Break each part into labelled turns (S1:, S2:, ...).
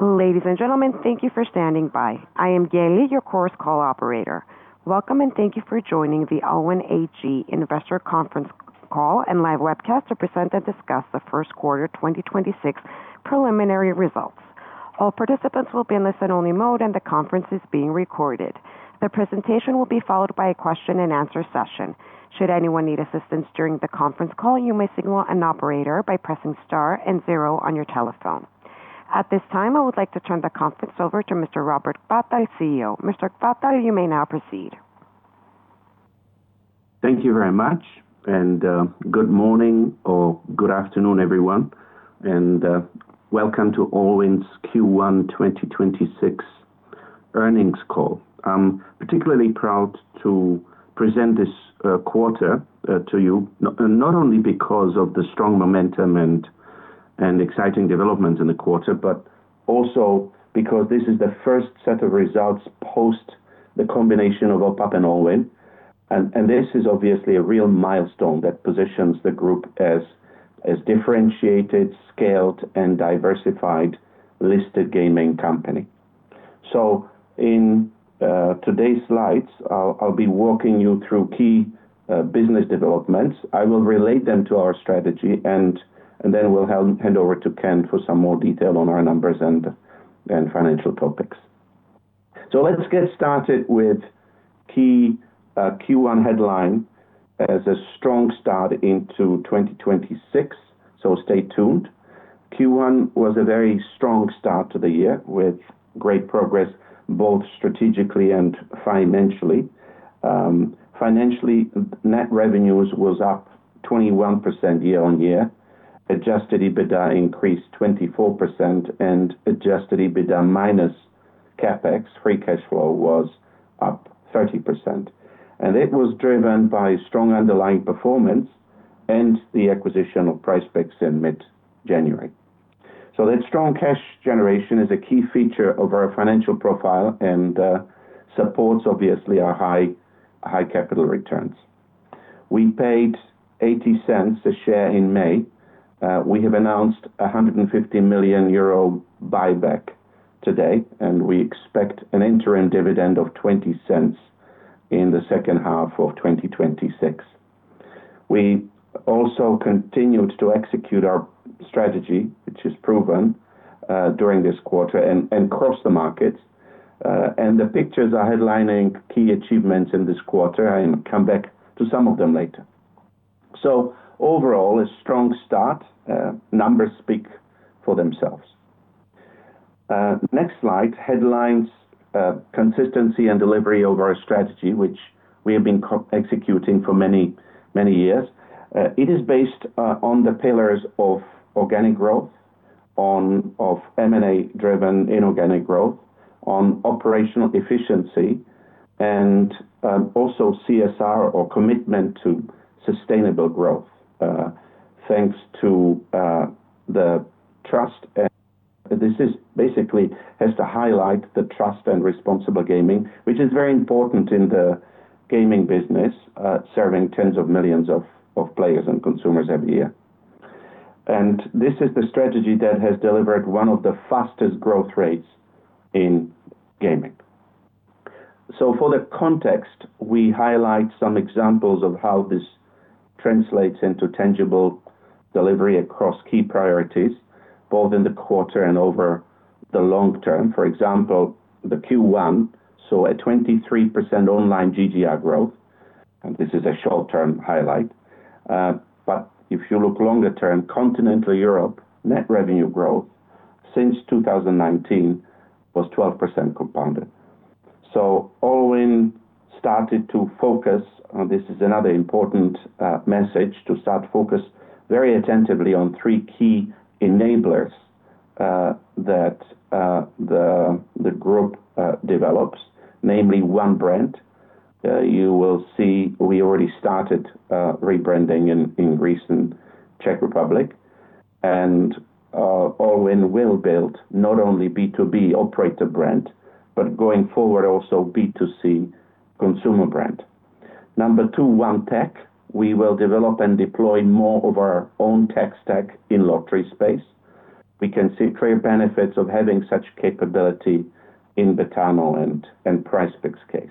S1: Ladies and gentlemen, thank you for standing by. I am Gayly, your Chorus Call operator. Welcome, and thank you for joining the Allwyn AG Investor Conference Call and live webcast to present and discuss the first quarter 2026 preliminary results. All participants will be in listen-only mode, and the conference is being recorded. The presentation will be followed by a question and answer session. Should anyone need assistance during the conference call, you may signal an operator by pressing star and zero on your telephone. At this time, I would like to turn the conference over to Mr. Robert Chváta, CEO. Mr. Chváta, you may now proceed.
S2: Thank you very much. Good morning or good afternoon, everyone, and welcome to Allwyn's Q1 2026 earnings call. I'm particularly proud to present this quarter to you, not only because of the strong momentum and exciting developments in the quarter, but also because this is the first set of results post the combination of OPAP and Allwyn. This is obviously a real milestone that positions the group as differentiated, scaled, and diversified listed gaming company. In today's slides, I'll be walking you through key business developments. I will relate them to our strategy, and then we'll hand over to Ken for some more detail on our numbers and financial topics. Let's get started with key Q1 headline as a strong start into 2026. Stay tuned. Q1 was a very strong start to the year with great progress both strategically and financially. Financially, net revenues was up 21% year-on-year. Adjusted EBITDA increased 24%, and adjusted EBITDA minus CapEx free cash flow was up 30%. It was driven by strong underlying performance and the acquisition of PrizePicks in mid-January. That strong cash generation is a key feature of our financial profile and supports obviously our high capital returns. We paid 0.80 a share in May. We have announced 150 million euro buyback today, and we expect an interim dividend of 0.20 in the second half of 2026. We also continued to execute our strategy, which is proven, during this quarter and across the markets. The pictures are headlining key achievements in this quarter, and come back to some of them later. Overall, a strong start. Numbers speak for themselves. Next slide, headlines, consistency and delivery of our strategy, which we have been executing for many years. It is based on the pillars of organic growth, of M&A-driven inorganic growth, on operational efficiency, and also CSR or commitment to sustainable growth. Thanks to the trust, and this basically has to highlight the trust and responsible gaming, which is very important in the gaming business, serving tens of millions of players and consumers every year. This is the strategy that has delivered one of the fastest growth rates in gaming. For the context, we highlight some examples of how this translates into tangible delivery across key priorities, both in the quarter and over the long term. For example, the Q1 saw a 23% online GGR growth, and this is a short-term highlight. If you look longer term, Continental Europe net revenue growth since 2019 was 12% compounded. Allwyn started to focus, and this is another important message, to start focus very attentively on three key enablers that the group develops, namely one brand. You will see we already started rebranding in recent Czech Republic. Allwyn will build not only B2B operator brand, but going forward, also B2C consumer brand. Number 2, One Tech. We will develop and deploy more of our own tech stack in lottery space. We can see clear benefits of having such capability in Betano and PrizePicks case.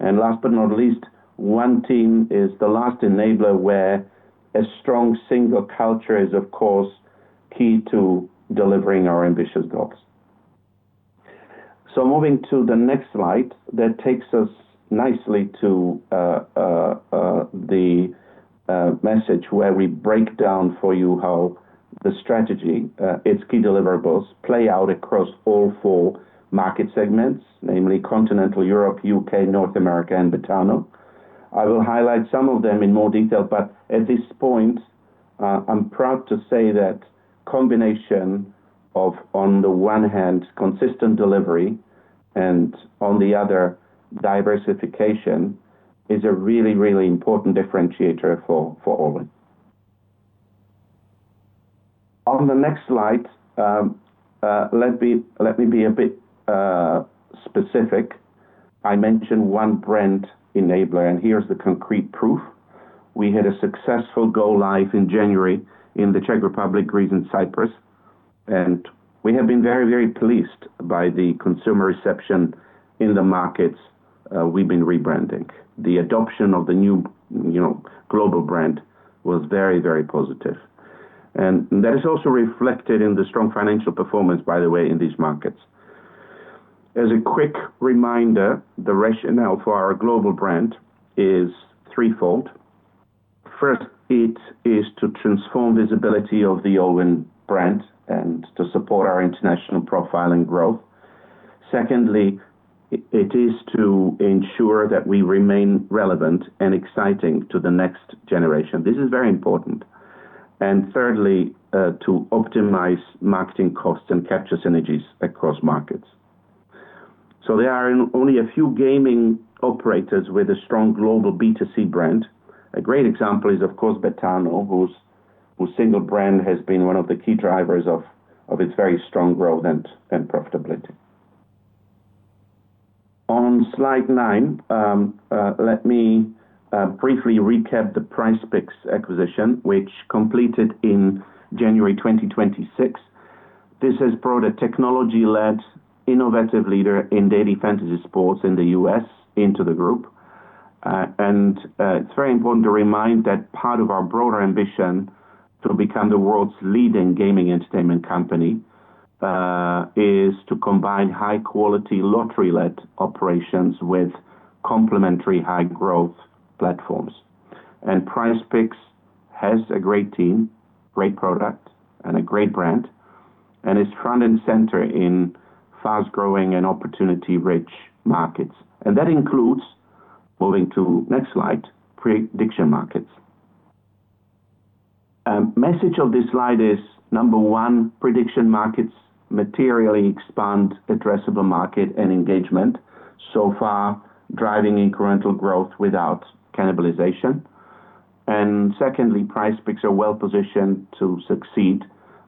S2: Last but not least, one team is the last enabler, where a strong single culture is of course key to delivering our ambitious goals. Moving to the next slide, that takes us nicely to the message where we break down for you how the strategy, its key deliverables play out across all four market segments, namely Continental Europe, U.K., North America, and Betano. I will highlight some of them in more detail, but at this point, I'm proud to say that combination of, on the one hand, consistent delivery and on the other, diversification is a really important differentiator for Allwyn. On the next slide, let me be a bit specific. I mentioned one brand enabler, and here's the concrete proof. We had a successful go live in January in the Czech Republic, Greece, and Cyprus. We have been very pleased by the consumer reception in the markets we've been rebranding. The adoption of the new global brand was very positive. That is also reflected in the strong financial performance, by the way, in these markets. As a quick reminder, the rationale for our global brand is threefold. First, it is to transform visibility of the Allwyn brand and to support our international profile and growth. Secondly, it is to ensure that we remain relevant and exciting to the next generation. This is very important. Thirdly, to optimize marketing costs and capture synergies across markets. There are only a few gaming operators with a strong global B2C brand. A great example is, of course, Betano, whose single brand has been one of the key drivers of its very strong growth and profitability. On slide nine, let me briefly recap the PrizePicks acquisition, which completed in January 2026. This has brought a technology-led, innovative leader in daily fantasy sports in the U.S. into the group. It's very important to remind that part of our broader ambition to become the world's leading gaming entertainment company, is to combine high-quality lottery-led operations with complementary high-growth platforms. PrizePicks has a great team, great product, and a great brand, and is front and center in fast-growing and opportunity-rich markets. That includes, moving to next slide, prediction markets. Message of this slide is, number one, prediction markets materially expand addressable market and engagement, so far, driving incremental growth without cannibalization. Secondly, PrizePicks are well-positioned to succeed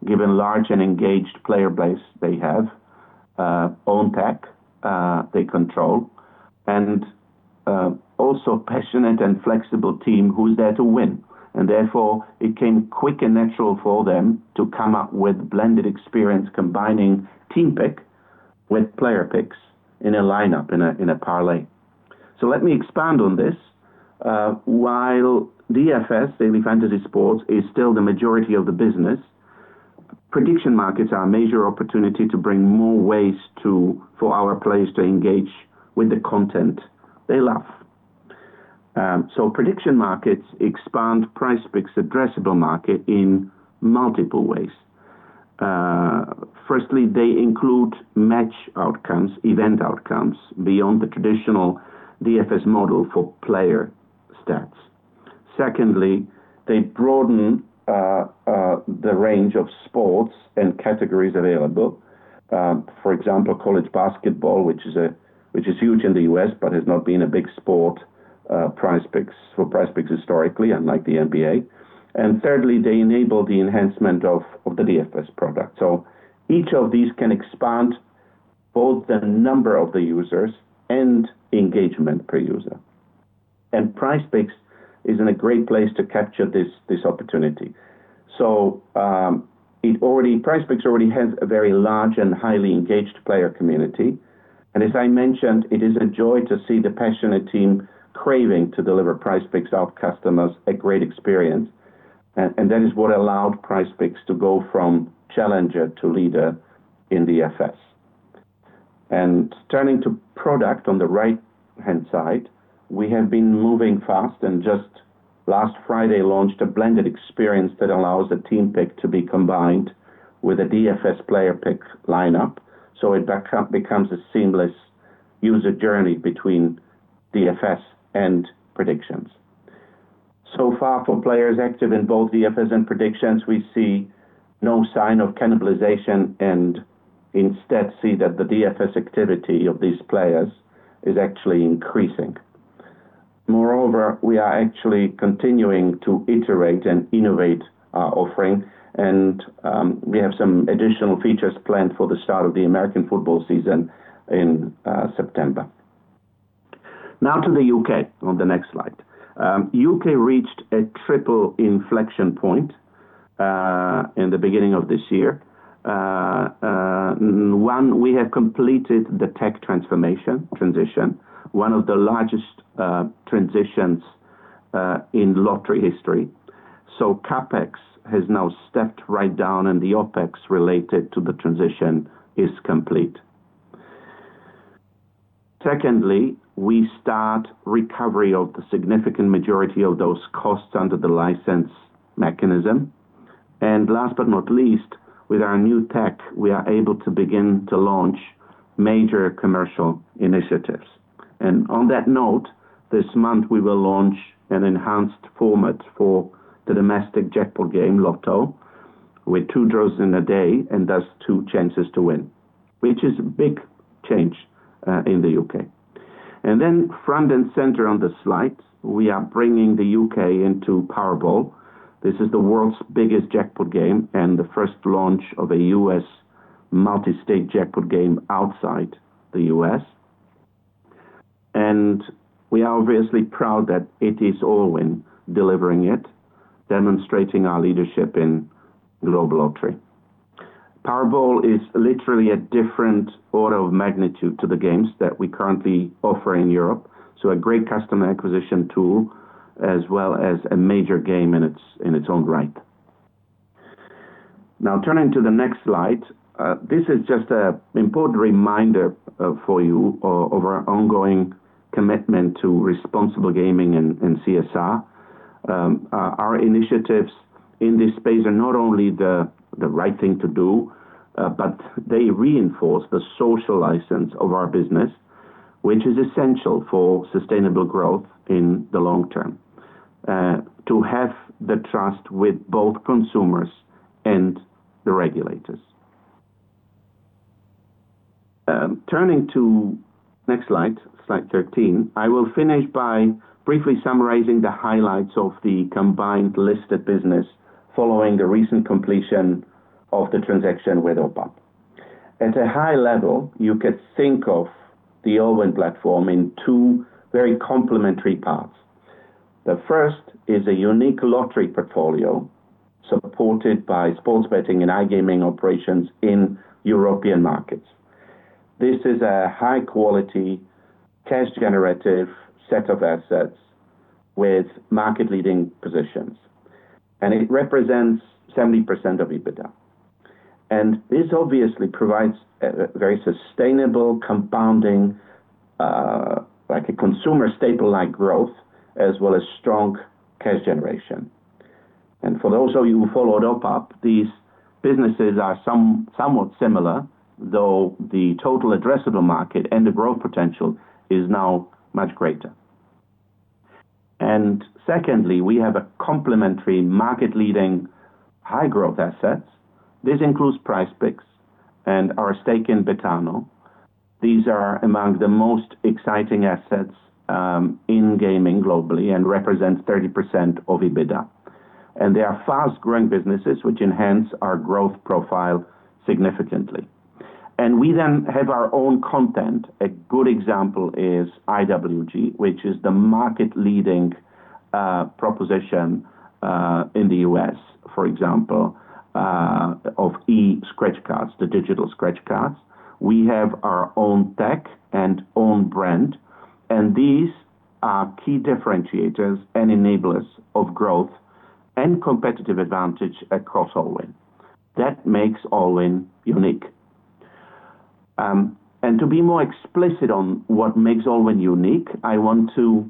S2: given large and engaged player base they have, own tech they control, and also passionate and flexible team who's there to win. Therefore, it came quick and natural for them to come up with blended experience, combining team pick with player picks in a lineup, in a parlay. Let me expand on this. While DFS, daily fantasy sports, is still the majority of the business, prediction markets are a major opportunity to bring more ways for our players to engage with the content they love. Prediction markets expand PrizePicks addressable market in multiple ways. Firstly, they include match outcomes, event outcomes beyond the traditional DFS model for player stats. Secondly, they broaden the range of sports and categories available. For example, college basketball, which is huge in the U.S., but has not been a big sport for PrizePicks historically, unlike the NBA. Thirdly, they enable the enhancement of the DFS product. Each of these can expand both the number of the users and engagement per user. PrizePicks is in a great place to capture this opportunity. PrizePicks already has a very large and highly engaged player community. As I mentioned, it is a joy to see the passionate team craving to deliver PrizePicks customers a great experience. That is what allowed PrizePicks to go from challenger to leader in DFS. Turning to product on the right-hand side, we have been moving fast and just last Friday launched a blended experience that allows a team pick to be combined with a DFS player pick lineup. It becomes a seamless user journey between DFS and predictions. Far for players active in both DFS and predictions, we see no sign of cannibalization and instead see that the DFS activity of these players is actually increasing. Moreover, we are actually continuing to iterate and innovate our offering, and we have some additional features planned for the start of the American football season in September. To the U.K. on the next slide. U.K. reached a triple inflection point in the beginning of this year. One, we have completed the tech transformation transition, one of the largest transitions in lottery history. CapEx has now stepped right down and the OpEx related to the transition is complete. Secondly, we start recovery of the significant majority of those costs under the license mechanism. Last but not least, with our new tech, we are able to begin to launch major commercial initiatives. On that note, this month, we will launch an enhanced format for the domestic jackpot game Lotto with two draws in a day and thus two chances to win, which is a big change in the U.K. Front and center on the slides, we are bringing the U.K. into Powerball. This is the world's biggest jackpot game and the first launch of a U.S. multistate jackpot game outside the U.S. We are obviously proud that it is Allwyn delivering it, demonstrating our leadership in global lottery. Powerball is literally a different order of magnitude to the games that we currently offer in Europe. A great customer acquisition tool as well as a major game in its own right. Turning to the next slide. This is just an important reminder for you of our ongoing commitment to responsible gaming and CSR. Our initiatives in this space are not only the right thing to do, but they reinforce the social license of our business, which is essential for sustainable growth in the long term, to have the trust with both consumers and the regulators. Next slide 13. I will finish by briefly summarizing the highlights of the combined listed business following the recent completion of the transaction with OPAP. At a high level, you could think of the Allwyn platform in two very complementary parts. The first is a unique lottery portfolio supported by sports betting and iGaming operations in European markets. This is a high-quality cash generative set of assets with market-leading positions. It represents 70% of EBITDA. This obviously provides a very sustainable compounding, like a consumer staple-like growth as well as strong cash generation. For those of you who followed OPAP, these businesses are somewhat similar, though the total addressable market and the growth potential is now much greater. Secondly, we have a complementary market-leading high growth assets. This includes PrizePicks and our stake in Betano. These are among the most exciting assets in gaming globally and represents 30% of EBITDA. They are fast-growing businesses which enhance our growth profile significantly. We have our own content. A good example is IWG, which is the market-leading proposition in the U.S. for example, of eInstants, the digital scratch cards. We have our own tech and own brand, and these are key differentiators and enablers of growth and competitive advantage across Allwyn. That makes Allwyn unique. To be more explicit on what makes Allwyn unique, I want to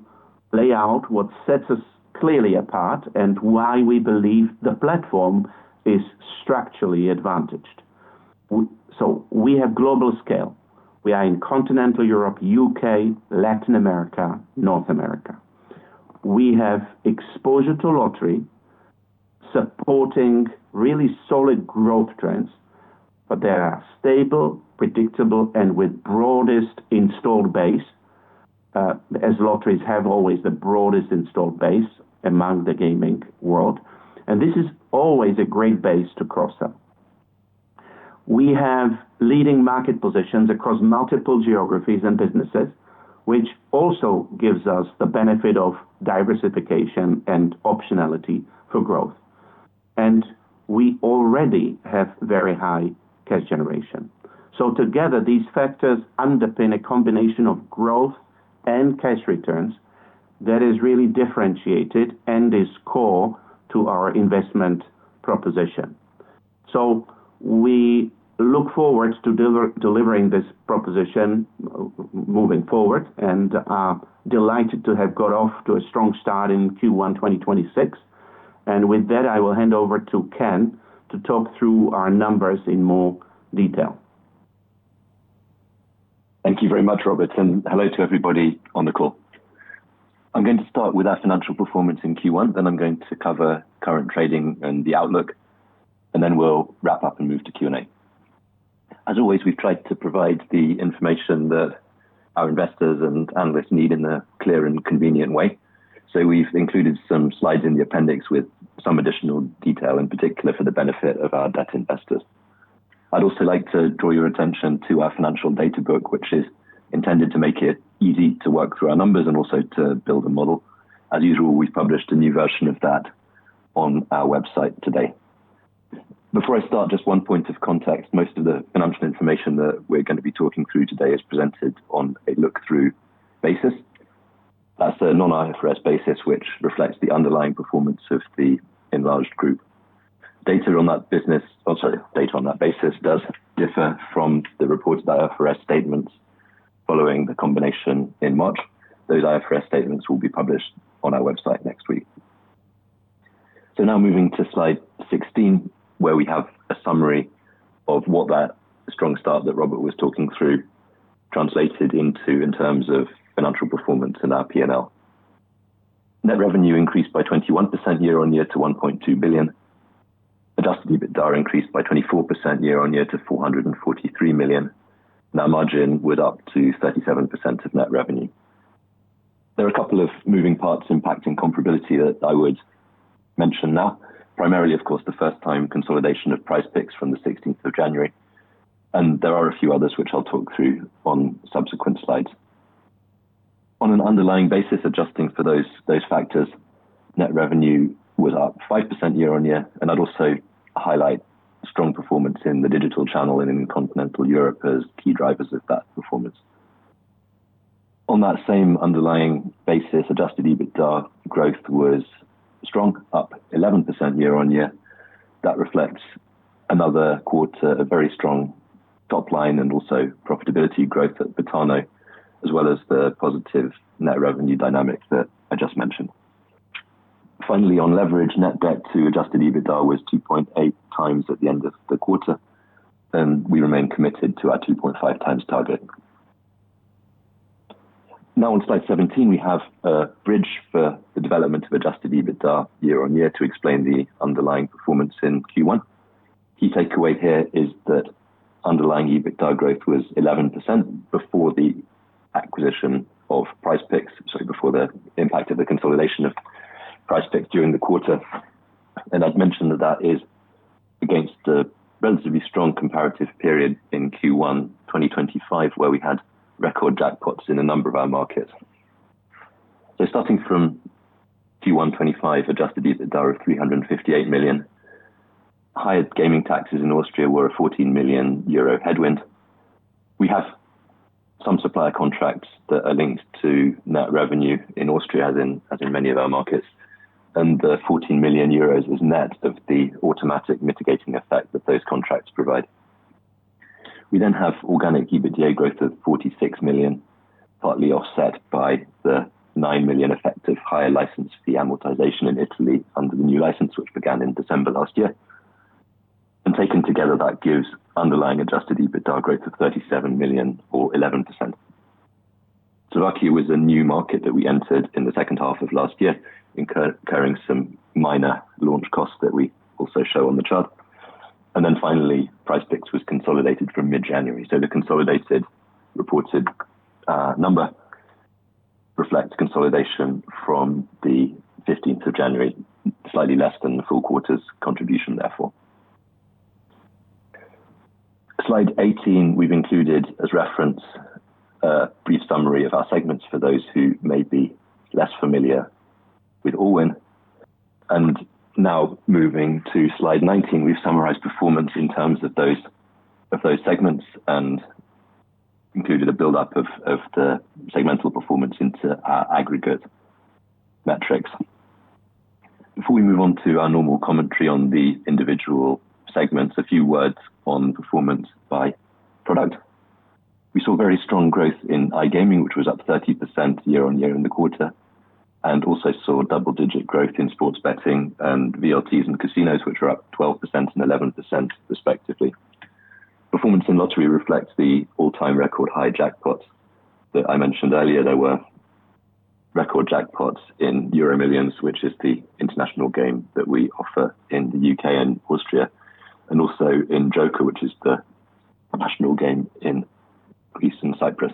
S2: lay out what sets us clearly apart and why we believe the platform is structurally advantaged. We have global scale. We are in continental Europe, U.K., Latin America, North America. We have exposure to lottery supporting really solid growth trends, but that are stable, predictable, and with broadest installed base, as lotteries have always the broadest installed base among the gaming world. This is always a great base to cross-sell. We have leading market positions across multiple geographies and businesses, which also gives us the benefit of diversification and optionality for growth. We already have very high cash generation. Together, these factors underpin a combination of growth and cash returns that is really differentiated and is core to our investment proposition. We look forward to delivering this proposition moving forward and are delighted to have got off to a strong start in Q1 2026. With that, I will hand over to Ken to talk through our numbers in more detail.
S3: Thank you very much, Robert, and hello to everybody on the call. I'm going to start with our financial performance in Q1, then I'm going to cover current trading and the outlook, and then we'll wrap up and move to Q&A. As always, we've tried to provide the information that our investors and analysts need in a clear and convenient way. We've included some slides in the appendix with some additional detail, in particular for the benefit of our debt investors. I'd also like to draw your attention to our financial data book, which is intended to make it easy to work through our numbers and also to build a model. As usual, we've published a new version of that on our website today. Before I start, just one point of context. Most of the financial information that we're going to be talking through today is presented on a look-through basis. That's a non-IFRS basis, which reflects the underlying performance of the enlarged group. Data on that basis does differ from the reported IFRS statements following the combination in March. Those IFRS statements will be published on our website next week. Moving to slide 16, where we have a summary of what that strong start that Robert was talking through translated into in terms of financial performance in our P&L. Net revenue increased by 21% year-on-year to 1.2 billion. Adjusted EBITDA increased by 24% year-on-year to 443 million. Net margin went up to 37% of net revenue. There are a couple of moving parts impacting comparability that I would mention now. Primarily, of course, the first time consolidation of PrizePicks from the 16th of January, and there are a few others which I'll talk through on subsequent slides. On an underlying basis, adjusting for those factors, net revenue was up 5% year-on-year, and I'd also highlight strong performance in the digital channel and in continental Europe as key drivers of that performance. On that same underlying basis, adjusted EBITDA growth was strong, up 11% year-on-year. That reflects another quarter of very strong top line and also profitability growth at Betano, as well as the positive net revenue dynamics that I just mentioned. Finally, on leverage, net debt to adjusted EBITDA was 2.8 times at the end of the quarter, and we remain committed to our 2.5 times target. Now on slide 17, we have a bridge for the development of adjusted EBITDA year-on-year to explain the underlying performance in Q1. Key takeaway here is that underlying EBITDA growth was 11% before the impact of the consolidation of PrizePicks during the quarter. I'd mention that is against a relatively strong comparative period in Q1 2025, where we had record jackpots in a number of our markets. Starting from Q1 2025, adjusted EBITDA of 358 million. Higher gaming taxes in Austria were a 14 million euro headwind. We have some supplier contracts that are linked to net revenue in Austria, as in many of our markets, and the 14 million euros is net of the automatic mitigating effect that those contracts provide. We then have organic EBITDA growth of 46 million, partly offset by the 9 million effect of higher license fee amortization in Italy under the new license, which began in December last year. Taken together, that gives underlying adjusted EBITDA growth of 37 million or 11%. Slovakia was a new market that we entered in the second half of last year, incurring some minor launch costs that we also show on the chart. Finally, PrizePicks was consolidated from mid-January. The consolidated reported number reflects consolidation from the 15th of January, slightly less than the full quarter's contribution, therefore. Slide 18, we've included as reference a brief summary of our segments for those who may be less familiar with Allwyn. Moving to slide 19, we've summarized performance in terms of those segments and included a buildup of the segmental performance into our aggregate metrics. Before we move on to our normal commentary on the individual segments, a few words on performance by product. We saw very strong growth in iGaming, which was up 30% year-on-year in the quarter. Also saw double-digit growth in sports betting and VLTs and casinos, which were up 12% and 11% respectively. Performance in lottery reflects the all-time record high jackpots that I mentioned earlier. There were record jackpots in EuroMillions, which is the international game that we offer in the U.K. and Austria. Also in Joker, which is the national game in Greece and Cyprus.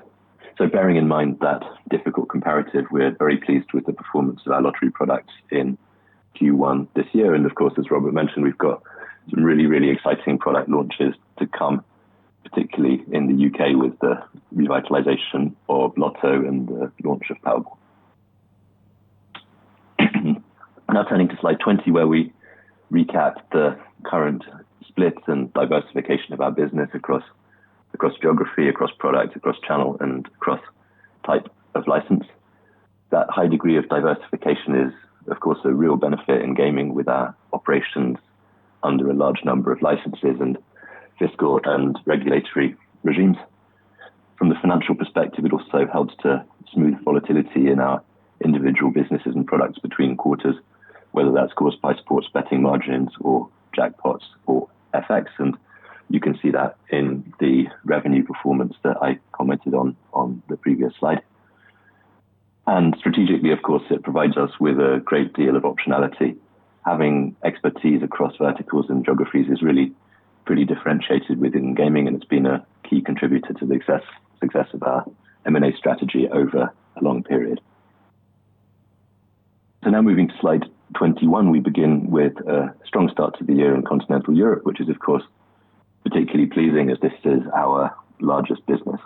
S3: Bearing in mind that difficult comparative, we're very pleased with the performance of our lottery products in Q1 this year. Of course, as Robert mentioned, we've got some really, really exciting product launches to come, particularly in the U.K. with the revitalization of Lotto and the launch of Powerball. Now turning to slide 20, where we recap the current splits and diversification of our business across geography, across product, across channel, and across type of license. That high degree of diversification is, of course, a real benefit in gaming with our operations under a large number of licenses and fiscal and regulatory regimes. From the financial perspective, it also helps to smooth volatility in our individual businesses and products between quarters, whether that's caused by sports betting margins or jackpots or FX. You can see that in the revenue performance that I commented on the previous slide. Strategically, of course, it provides us with a great deal of optionality. Having expertise across verticals and geographies is really pretty differentiated within gaming, and it's been a key contributor to the success of our M&A strategy over a long period. Now moving to slide 21, we begin with a strong start to the year in continental Europe, which is of course particularly pleasing as this is our largest business.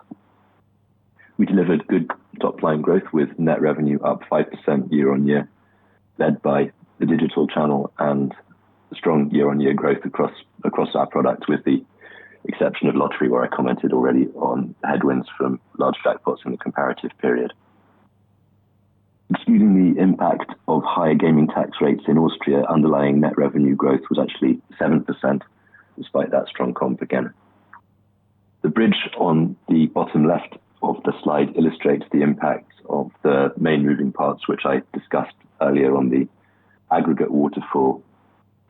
S3: We delivered good top-line growth with net revenue up 5% year-on-year, led by the digital channel and strong year-on-year growth across our products, with the exception of lottery, where I commented already on headwinds from large jackpots in the comparative period. Excluding the impact of higher gaming tax rates in Austria, underlying net revenue growth was actually 7%, despite that strong comp again. The bridge on the bottom left of the slide illustrates the impact of the main moving parts, which I discussed earlier on the aggregate waterfall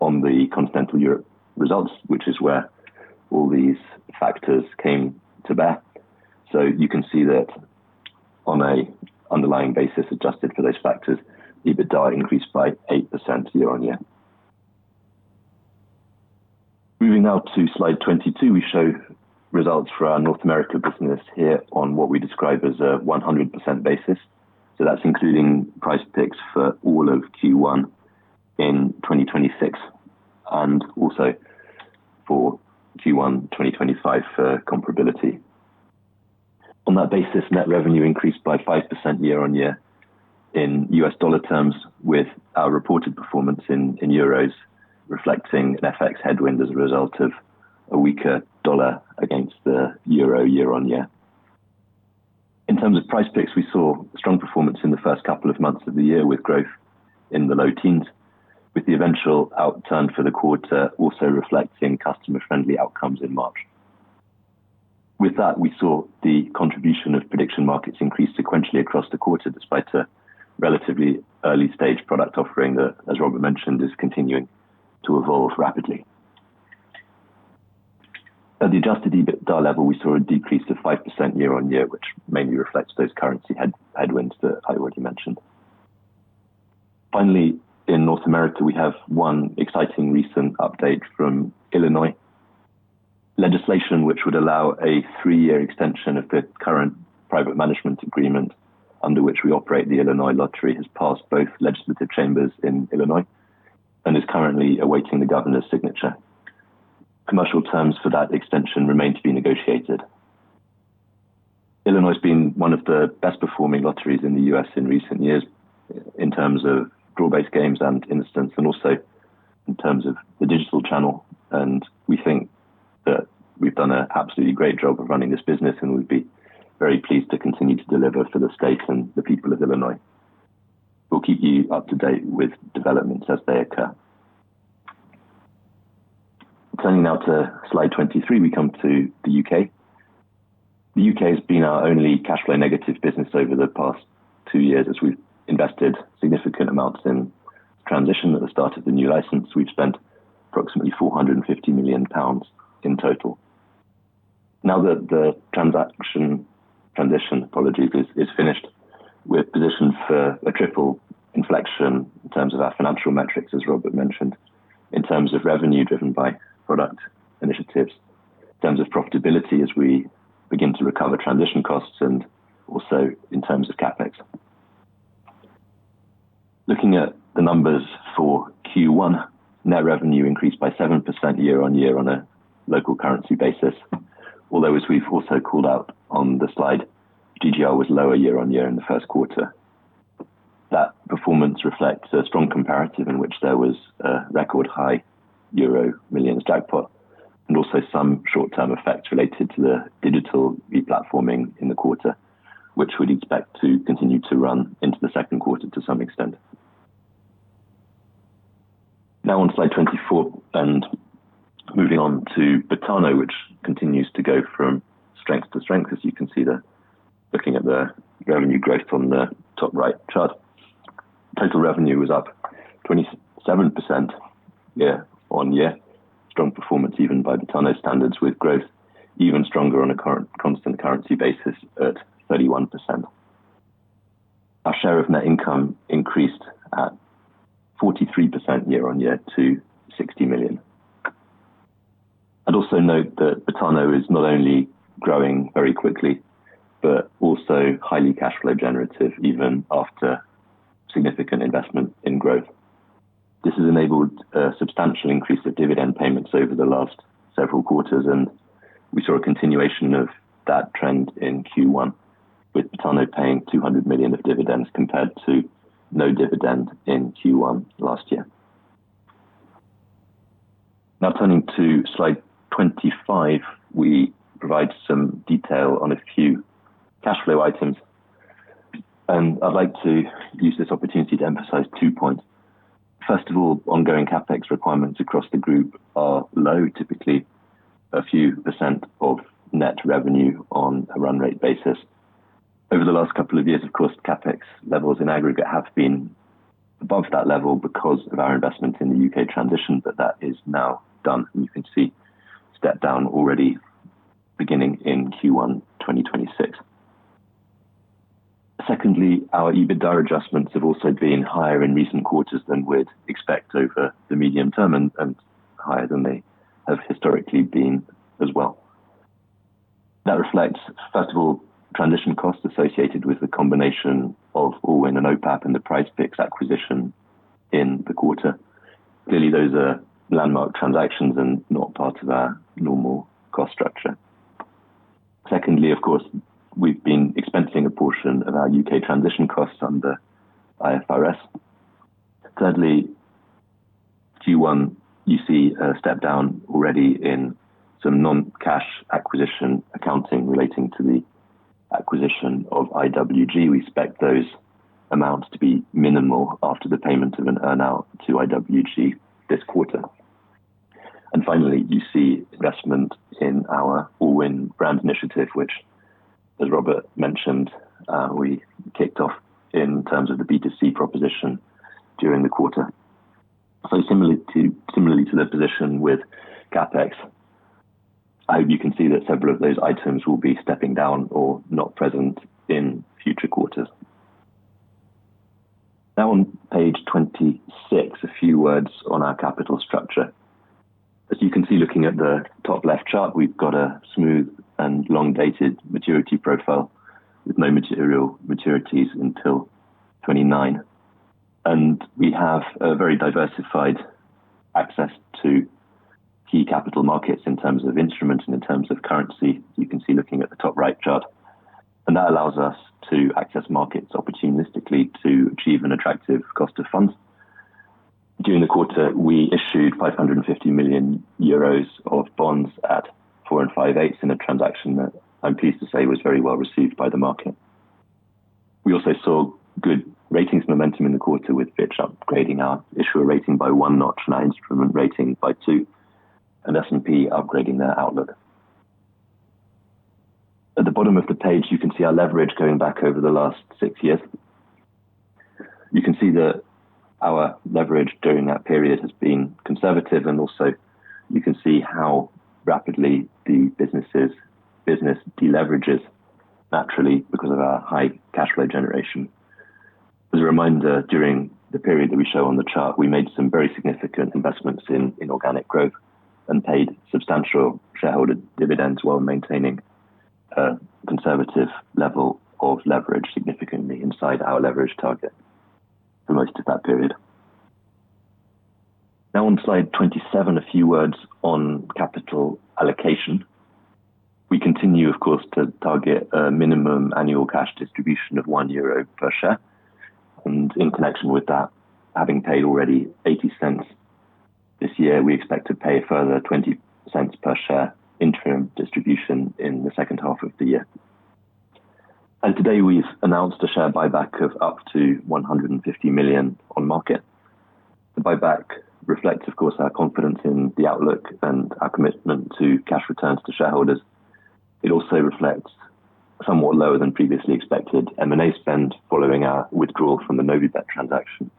S3: on the continental Europe results, which is where all these factors came to bear. You can see that on a underlying basis, adjusted for those factors, EBITDA increased by 8% year-on-year. Moving now to slide 22, we show results for our North America business here on what we describe as a 100% basis. That's including PrizePicks for all of Q1 in 2026 and also for Q1 2025 for comparability. On that basis, net revenue increased by 5% year-on-year in USD terms with our reported performance in EUR reflecting an FX headwind as a result of a weaker USD against the EUR year-on-year. In terms of PrizePicks, we saw strong performance in the first couple of months of the year with growth in the low teens, with the eventual outturn for the quarter also reflecting customer-friendly outcomes in March. With that, we saw the contribution of prediction markets increase sequentially across the quarter despite a relatively early-stage product offering that, as Robert mentioned, is continuing to evolve rapidly. At the adjusted EBITDA level, we saw a decrease of 5% year-on-year, which mainly reflects those currency headwinds that I already mentioned. Finally, in North America, we have one exciting recent update from Illinois legislation, which would allow a three-year extension of the current private management agreement under which we operate the Illinois Lottery has passed both legislative chambers in Illinois and is currently awaiting the governor's signature. Commercial terms for that extension remain to be negotiated. Illinois's been one of the best performing lotteries in the U.S. in recent years in terms of draw-based games and eInstants, and also in terms of the digital channel. We think that we've done an absolutely great job of running this business, and we'd be very pleased to continue to deliver for the state and the people of Illinois. We'll keep you up-to-date with developments as they occur. Turning now to slide 23, we come to the U.K. The U.K. has been our only cash flow-negative business over the past two years as we've invested significant amounts in transition at the start of the new license. We've spent approximately 450 million pounds in total. Now that the transaction transition, apologies, is finished, we are positioned for a triple inflection in terms of our financial metrics, as Robert mentioned, in terms of revenue driven by product initiatives, in terms of profitability as we begin to recover transition costs, and also in terms of CapEx. Looking at the numbers for Q1, net revenue increased by 7% year-on-year on a local currency basis. As we've also called out on the slide, GGR was lower year-on-year in the first quarter. That performance reflects a strong comparative in which there was a record high EuroMillions jackpot, and also some short-term effects related to the digital re-platforming in the quarter, which we'd expect to continue to run into the second quarter to some extent. On slide 24 and moving on to Betano, which continues to go from strength to strength, as you can see there. Looking at the revenue growth on the top right chart, total revenue was up 27% year-on-year. Strong performance even by Betano standards, with growth even stronger on a current constant currency basis at 31%. Our share of net income increased at 43% year-on-year to 60 million. I'd also note that Betano is not only growing very quickly, but also highly cash flow generative even after significant investment in growth. This has enabled a substantial increase of dividend payments over the last several quarters, and we saw a continuation of that trend in Q1 with Betano paying 200 million of dividends compared to no dividend in Q1 last year. Now turning to slide 25, we provide some detail on a few cash flow items. I'd like to use this opportunity to emphasize two points. First of all, ongoing CapEx requirements across the group are low, typically a few percent of net revenue on a run rate basis. Over the last couple of years, of course, CapEx levels in aggregate have been above that level because of our investment in the U.K. transition, but that is now done, and you can see step down already beginning in Q1 2026. Secondly, our EBITDA adjustments have also been higher in recent quarters than we'd expect over the medium term and higher than they have historically been as well. That reflects, first of all, transition costs associated with the combination of Allwyn and OPAP and the PrizePicks acquisition in the quarter. Clearly, those are landmark transactions and not part of our normal cost structure. Secondly, of course, we've been expensing a portion of our U.K. transition costs under IFRS. Thirdly, Q1, you see a step down already in some non-cash acquisition accounting relating to the acquisition of IWG. We expect those amounts to be minimal after the payment of an earn-out to IWG this quarter. Finally, you see investment in our Allwyn brand initiative, which as Robert mentioned, we kicked off in terms of the B2C proposition during the quarter. Similarly to the position with CapEx, you can see that several of those items will be stepping down or not present in future quarters. Now on page 26, a few words on our capital structure. As you can see looking at the top left chart, we've got a smooth and long-dated maturity profile with no material maturities until 2029. We have a very diversified access to key capital markets in terms of instruments and in terms of currency, as you can see looking at the top right chart. That allows us to access markets opportunistically to achieve an attractive cost of funds. During the quarter, we issued 550 million euros of bonds at four and five-eighths in a transaction that I'm pleased to say was very well-received by the market. We also saw good ratings momentum in the quarter with Fitch upgrading our issuer rating by one notch and our instrument rating by two, and S&P upgrading their outlook. At the bottom of the page, you can see our leverage going back over the last six years. You can see that our leverage during that period has been conservative, and also you can see how rapidly the business deleverages naturally because of our high cash flow generation. As a reminder, during the period that we show on the chart, we made some very significant investments in organic growth and paid substantial shareholder dividends while maintaining a conservative level of leverage significantly inside our leverage target for most of that period. Now on slide 27, a few words on capital allocation. We continue, of course, to target a minimum annual cash distribution of 1 euro per share. In connection with that, having paid already 0.80 this year, we expect to pay a further 0.20 per share interim distribution in the second half of the year. Today, we've announced a share buyback of up to 150 million on market. The buyback reflects, of course, our confidence in the outlook and our commitment to cash returns to shareholders. It also reflects somewhat lower than previously expected M&A spend following our withdrawal from the Novibet transaction.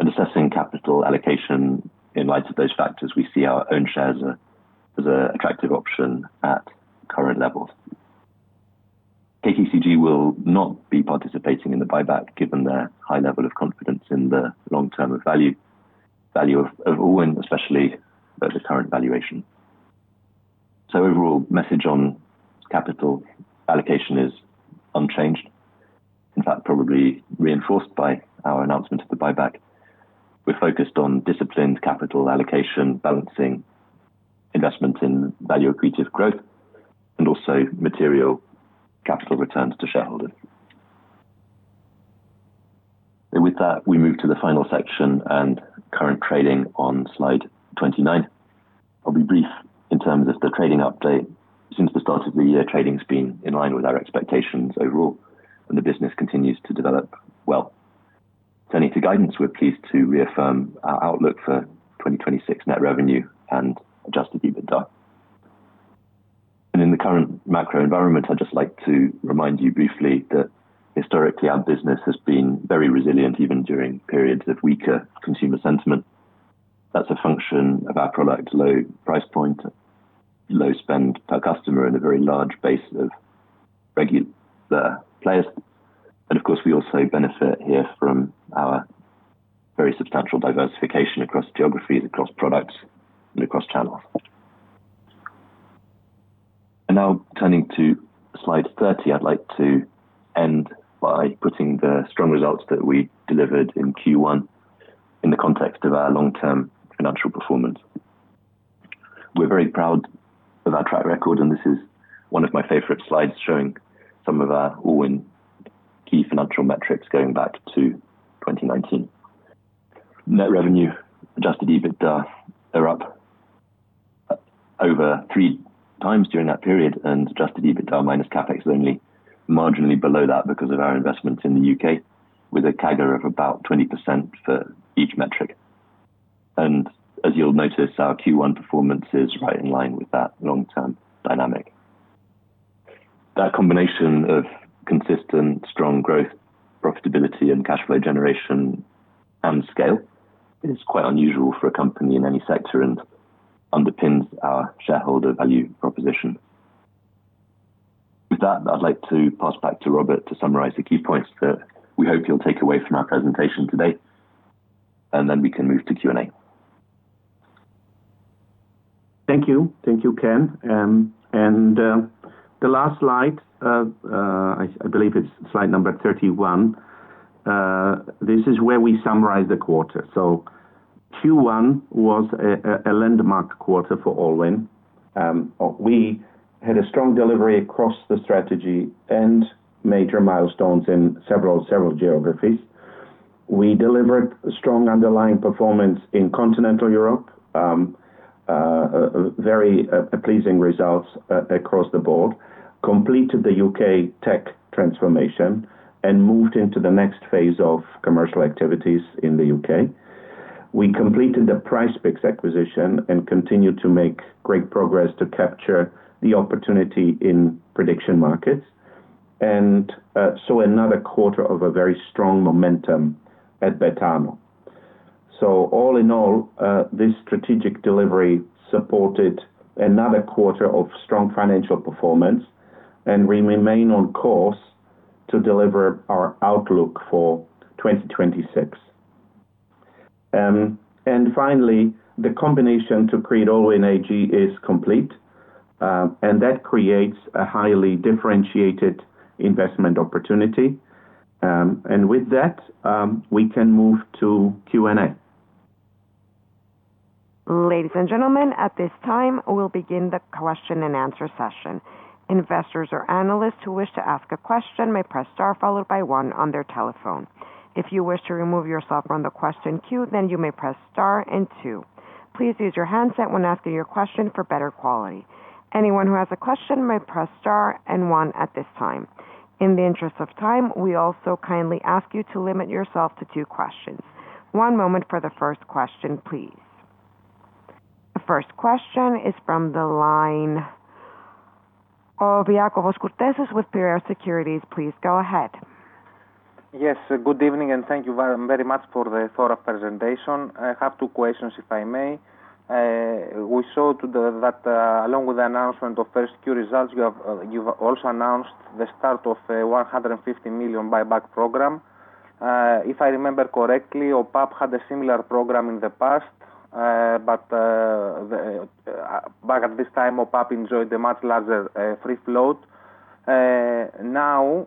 S3: Assessing capital allocation in light of those factors, we see our own shares as an attractive option at current levels. KKCG will not be participating in the buyback given their high level of confidence in the long-term value of Allwyn, especially at the current valuation. Overall message on capital allocation is unchanged. In fact, probably reinforced by our announcement of the buyback. We're focused on disciplined capital allocation, balancing investment in value accretive growth, and also material capital returns to shareholders. With that, we move to the final section and current trading on slide 29. I'll be brief in terms of the trading update. Since the start of the year, trading has been in line with our expectations overall, and the business continues to develop well. Turning to guidance, we're pleased to reaffirm our outlook for 2026 net revenue and adjusted EBITDA. In the current macro environment, I'd just like to remind you briefly that historically our business has been very resilient, even during periods of weaker consumer sentiment. That's a function of our product, low price point, low spend per customer, and a very large base of regular players. Of course, we also benefit here from our very substantial diversification across geographies, across products, and across channels. Now turning to slide 30, I'd like to end by putting the strong results that we delivered in Q1 in the context of our long-term financial performance. We're very proud of our track record, and this is one of my favorite slides showing some of our Allwyn key financial metrics going back to 2019. Net revenue, adjusted EBITDA are up over three times during that period, adjusted EBITDA minus CapEx is only marginally below that because of our investments in the U.K., with a CAGR of about 20% for each metric. As you'll notice, our Q1 performance is right in line with that long-term dynamic. That combination of consistent, strong growth, profitability, and cash flow generation and scale is quite unusual for a company in any sector and underpins our shareholder value proposition. With that, I'd like to pass back to Robert to summarize the key points that we hope you'll take away from our presentation today, and then we can move to Q&A.
S2: Thank you. Thank you, Ken. The last slide, I believe it's slide number 31. This is where we summarize the quarter. Q1 was a landmark quarter for Allwyn. We had a strong delivery across the strategy and major milestones in several geographies. We delivered strong underlying performance in continental Europe. Very pleasing results across the board. Completed the U.K. tech transformation and moved into the next phase of commercial activities in the U.K. We completed the PrizePicks acquisition and continued to make great progress to capture the opportunity in prediction markets. Saw another quarter of a very strong momentum at Betano. All in all, this strategic delivery supported another quarter of strong financial performance, and we remain on course to deliver our outlook for 2026. Finally, the combination to create Allwyn AG is complete, and that creates a highly differentiated investment opportunity. With that, we can move to Q&A.
S1: Ladies and gentlemen, at this time, we'll begin the question and answer session. Investors or analysts who wish to ask a question may press star followed by one on their telephone. If you wish to remove yourself from the question queue, then you may press star and two. Please use your handset when asking your question for better quality. Anyone who has a question may press star and one at this time. In the interest of time, we also kindly ask you to limit yourself to two questions. One moment for the first question, please. The first question is from the line of Iakovos Kourtesis with Piraeus Securities. Please go ahead.
S4: Yes. Good evening, thank you very much for the presentation. I have two questions, if I may. We saw that along with the announcement of first quarter results, you've also announced the start of 150 million buyback program. If I remember correctly, OPAP had a similar program in the past. Back at this time, OPAP enjoyed a much larger free float. Now,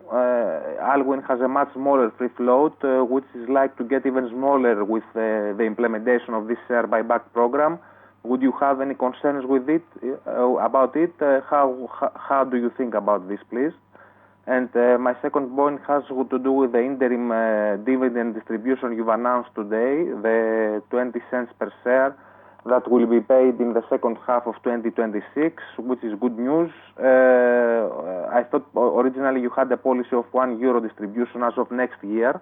S4: Allwyn has a much smaller free float, which is likely to get even smaller with the implementation of this share buyback program. Would you have any concerns about it? How do you think about this, please? My second point has to do with the interim dividend distribution you've announced today, the 0.20 per share that will be paid in the second half of 2026, which is good news. I thought originally you had a policy of 1 euro distribution as of next year.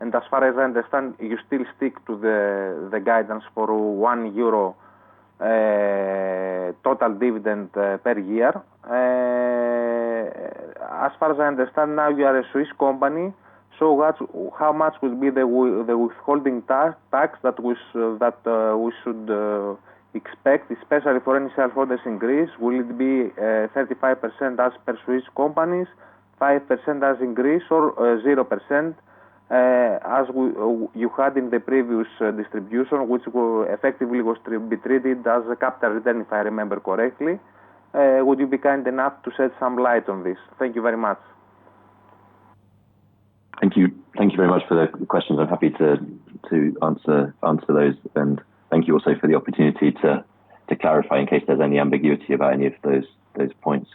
S4: As far as I understand, you still stick to the guidance for 1 euro total dividend per year. As far as I understand now, you are a Swiss company. How much will be the withholding tax that we should expect, especially for any shareholders in Greece? Will it be 35% as per Swiss companies, 5% as in Greece, or 0% as you had in the previous distribution, which effectively was to be treated as a capital return, if I remember correctly? Would you be kind enough to shed some light on this? Thank you very much.
S3: Thank you. Thank you very much for the questions. I'm happy to answer those. Thank you also for the opportunity to clarify in case there's any ambiguity about any of those points.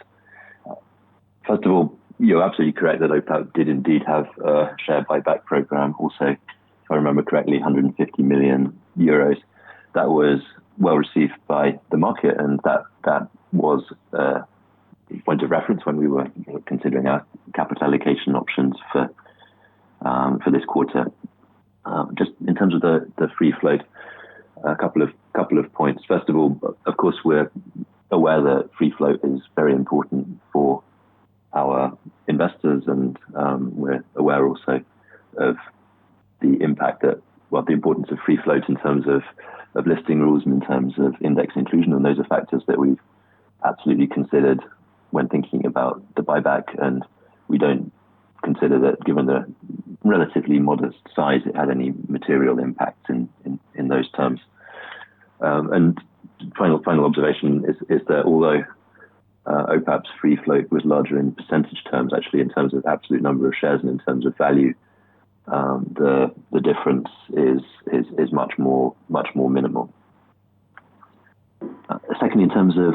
S3: First of all, you're absolutely correct that OPAP did indeed have a share buyback program also. If I remember correctly, 150 million euros. That was well received by the market, and that went to reference when we were considering our capital allocation options for this quarter. Just in terms of the free float, a couple of points. First of all, of course, we're aware that free float is very important for our investors, we're aware also of the importance of free float in terms of listing rules and in terms of index inclusion, those are factors that we've absolutely considered when thinking about the buyback, we don't consider that given the relatively modest size, it had any material impact in those terms. Final observation is that although OPAP's free float was larger in percentage terms, actually in terms of absolute number of shares and in terms of value, the difference is much more minimal. Secondly, in terms of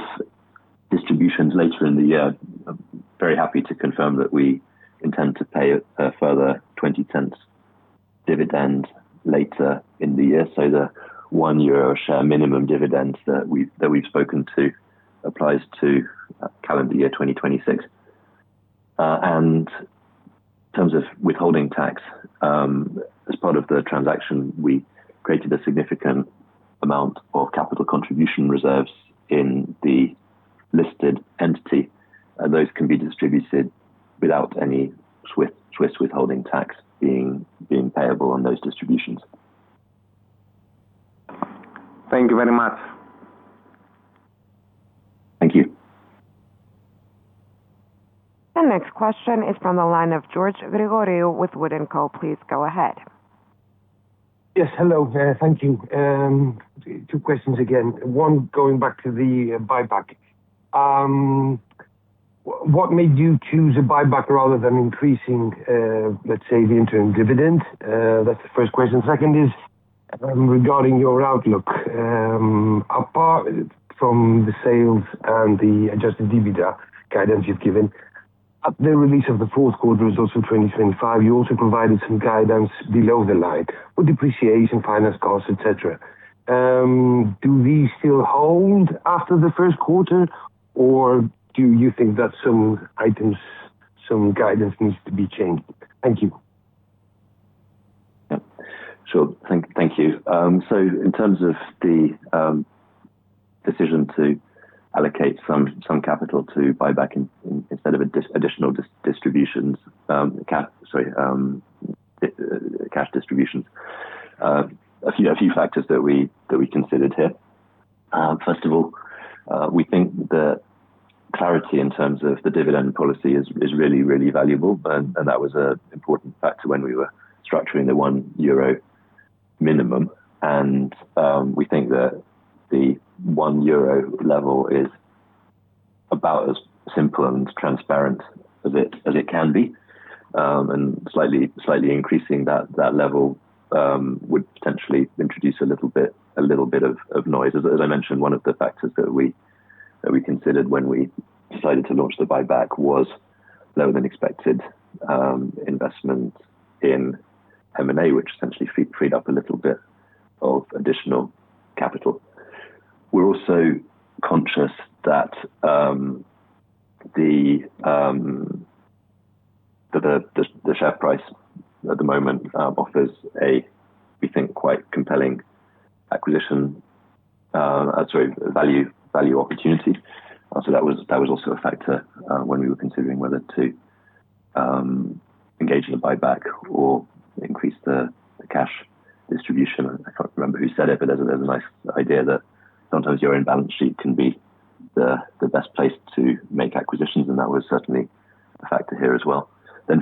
S3: distributions later in the year, I'm very happy to confirm that we intend to pay a further 0.20 dividend later in the year, so the 1 euro share minimum dividend that we've spoken to applies to calendar year 2026. In terms of withholding tax, as part of the transaction, we created a significant amount of capital contribution reserves in the listed entity. Those can be distributed without any Swiss withholding tax being payable on those distributions.
S4: Thank you very much.
S3: Thank you.
S1: The next question is from the line of George Grigoriou with Wood & Company. Please go ahead.
S5: Yes. Hello. Thank you. Two questions again. One, going back to the buyback. What made you choose a buyback rather than increasing, let's say, the interim dividend? That's the first question. Second is regarding your outlook. Apart from the sales and the adjusted EBITDA guidance you've given, at the release of the fourth quarter results of 2025, you also provided some guidance below the line for depreciation, finance costs, et cetera. Do these still hold after the first quarter, or do you think that some items, some guidance needs to be changed? Thank you.
S3: Sure. Thank you. In terms of the decision to allocate some capital to buyback instead of additional cash distributions. A few factors that we considered here. First of all, we think that clarity in terms of the dividend policy is really, really valuable, and that was an important factor when we were structuring the 1 euro minimum. We think that the 1 euro level is about as simple and transparent as it can be. Slightly increasing that level would potentially introduce a little bit of noise. As I mentioned, one of the factors that we considered when we decided to launch the buyback was lower than expected investment in M&A, which essentially freed up a little bit of additional capital. We're also conscious that the share price at the moment offers a, we think, quite compelling value opportunity. That was also a factor when we were considering whether to engage in a buyback or increase the cash distribution. I can't remember who said it, but there's a nice idea that sometimes your own balance sheet can be the best place to make acquisitions, and that was certainly a factor here as well.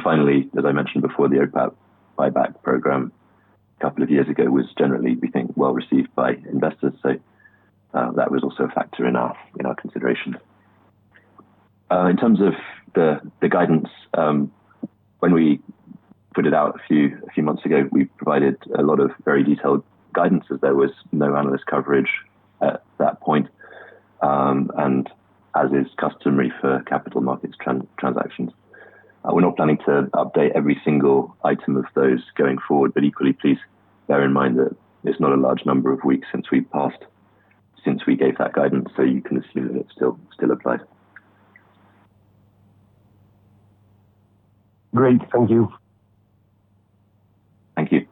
S3: Finally, as I mentioned before, the OPAP buyback program a couple of years ago was generally, we think, well-received by investors. That was also a factor in our consideration. In terms of the guidance, when we put it out a few months ago, we provided a lot of very detailed guidance as there was no analyst coverage at that point, and as is customary for capital markets transactions. We're not planning to update every single item of those going forward. Equally, please bear in mind that it's not a large number of weeks since we gave that guidance. You can assume that it still applies.
S5: Great. Thank you.
S3: Thank you.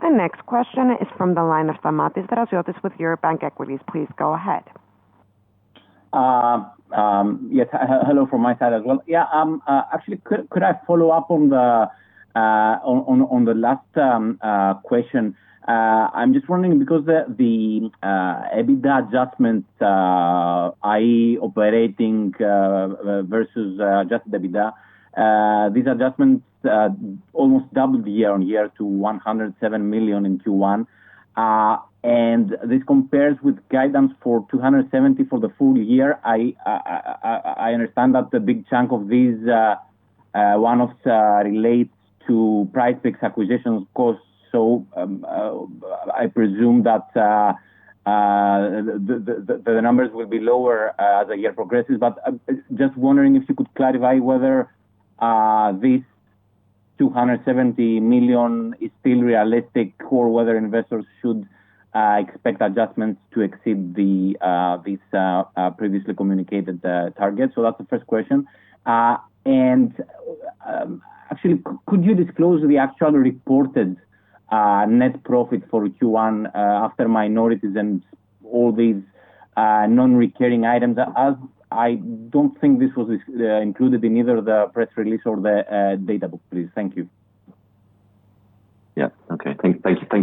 S1: The next question is from the line of Stamatios Draziotis with Eurobank Equities. Please go ahead.
S6: Yes. Hello from my side as well. Yeah. Actually, could I follow up on the last question? I'm just wondering because the EBITDA adjustment, i.e., operating versus adjusted EBITDA, these adjustments almost doubled year-on-year to 107 million in Q1. This compares with guidance for 270 million for the full year. I understand that the big chunk of these one-offs relates to PrizePicks acquisitions costs, I presume that the numbers will be lower as the year progresses. Just wondering if you could clarify whether this 270 million is still realistic, or whether investors should expect adjustments to exceed these previously communicated targets. That's the first question. Actually, could you disclose the actual reported net profit for Q1 after minorities and all these non-recurring items, as I don't think this was included in either the press release or the data book, please. Thank you.
S3: Yeah. Okay. Thank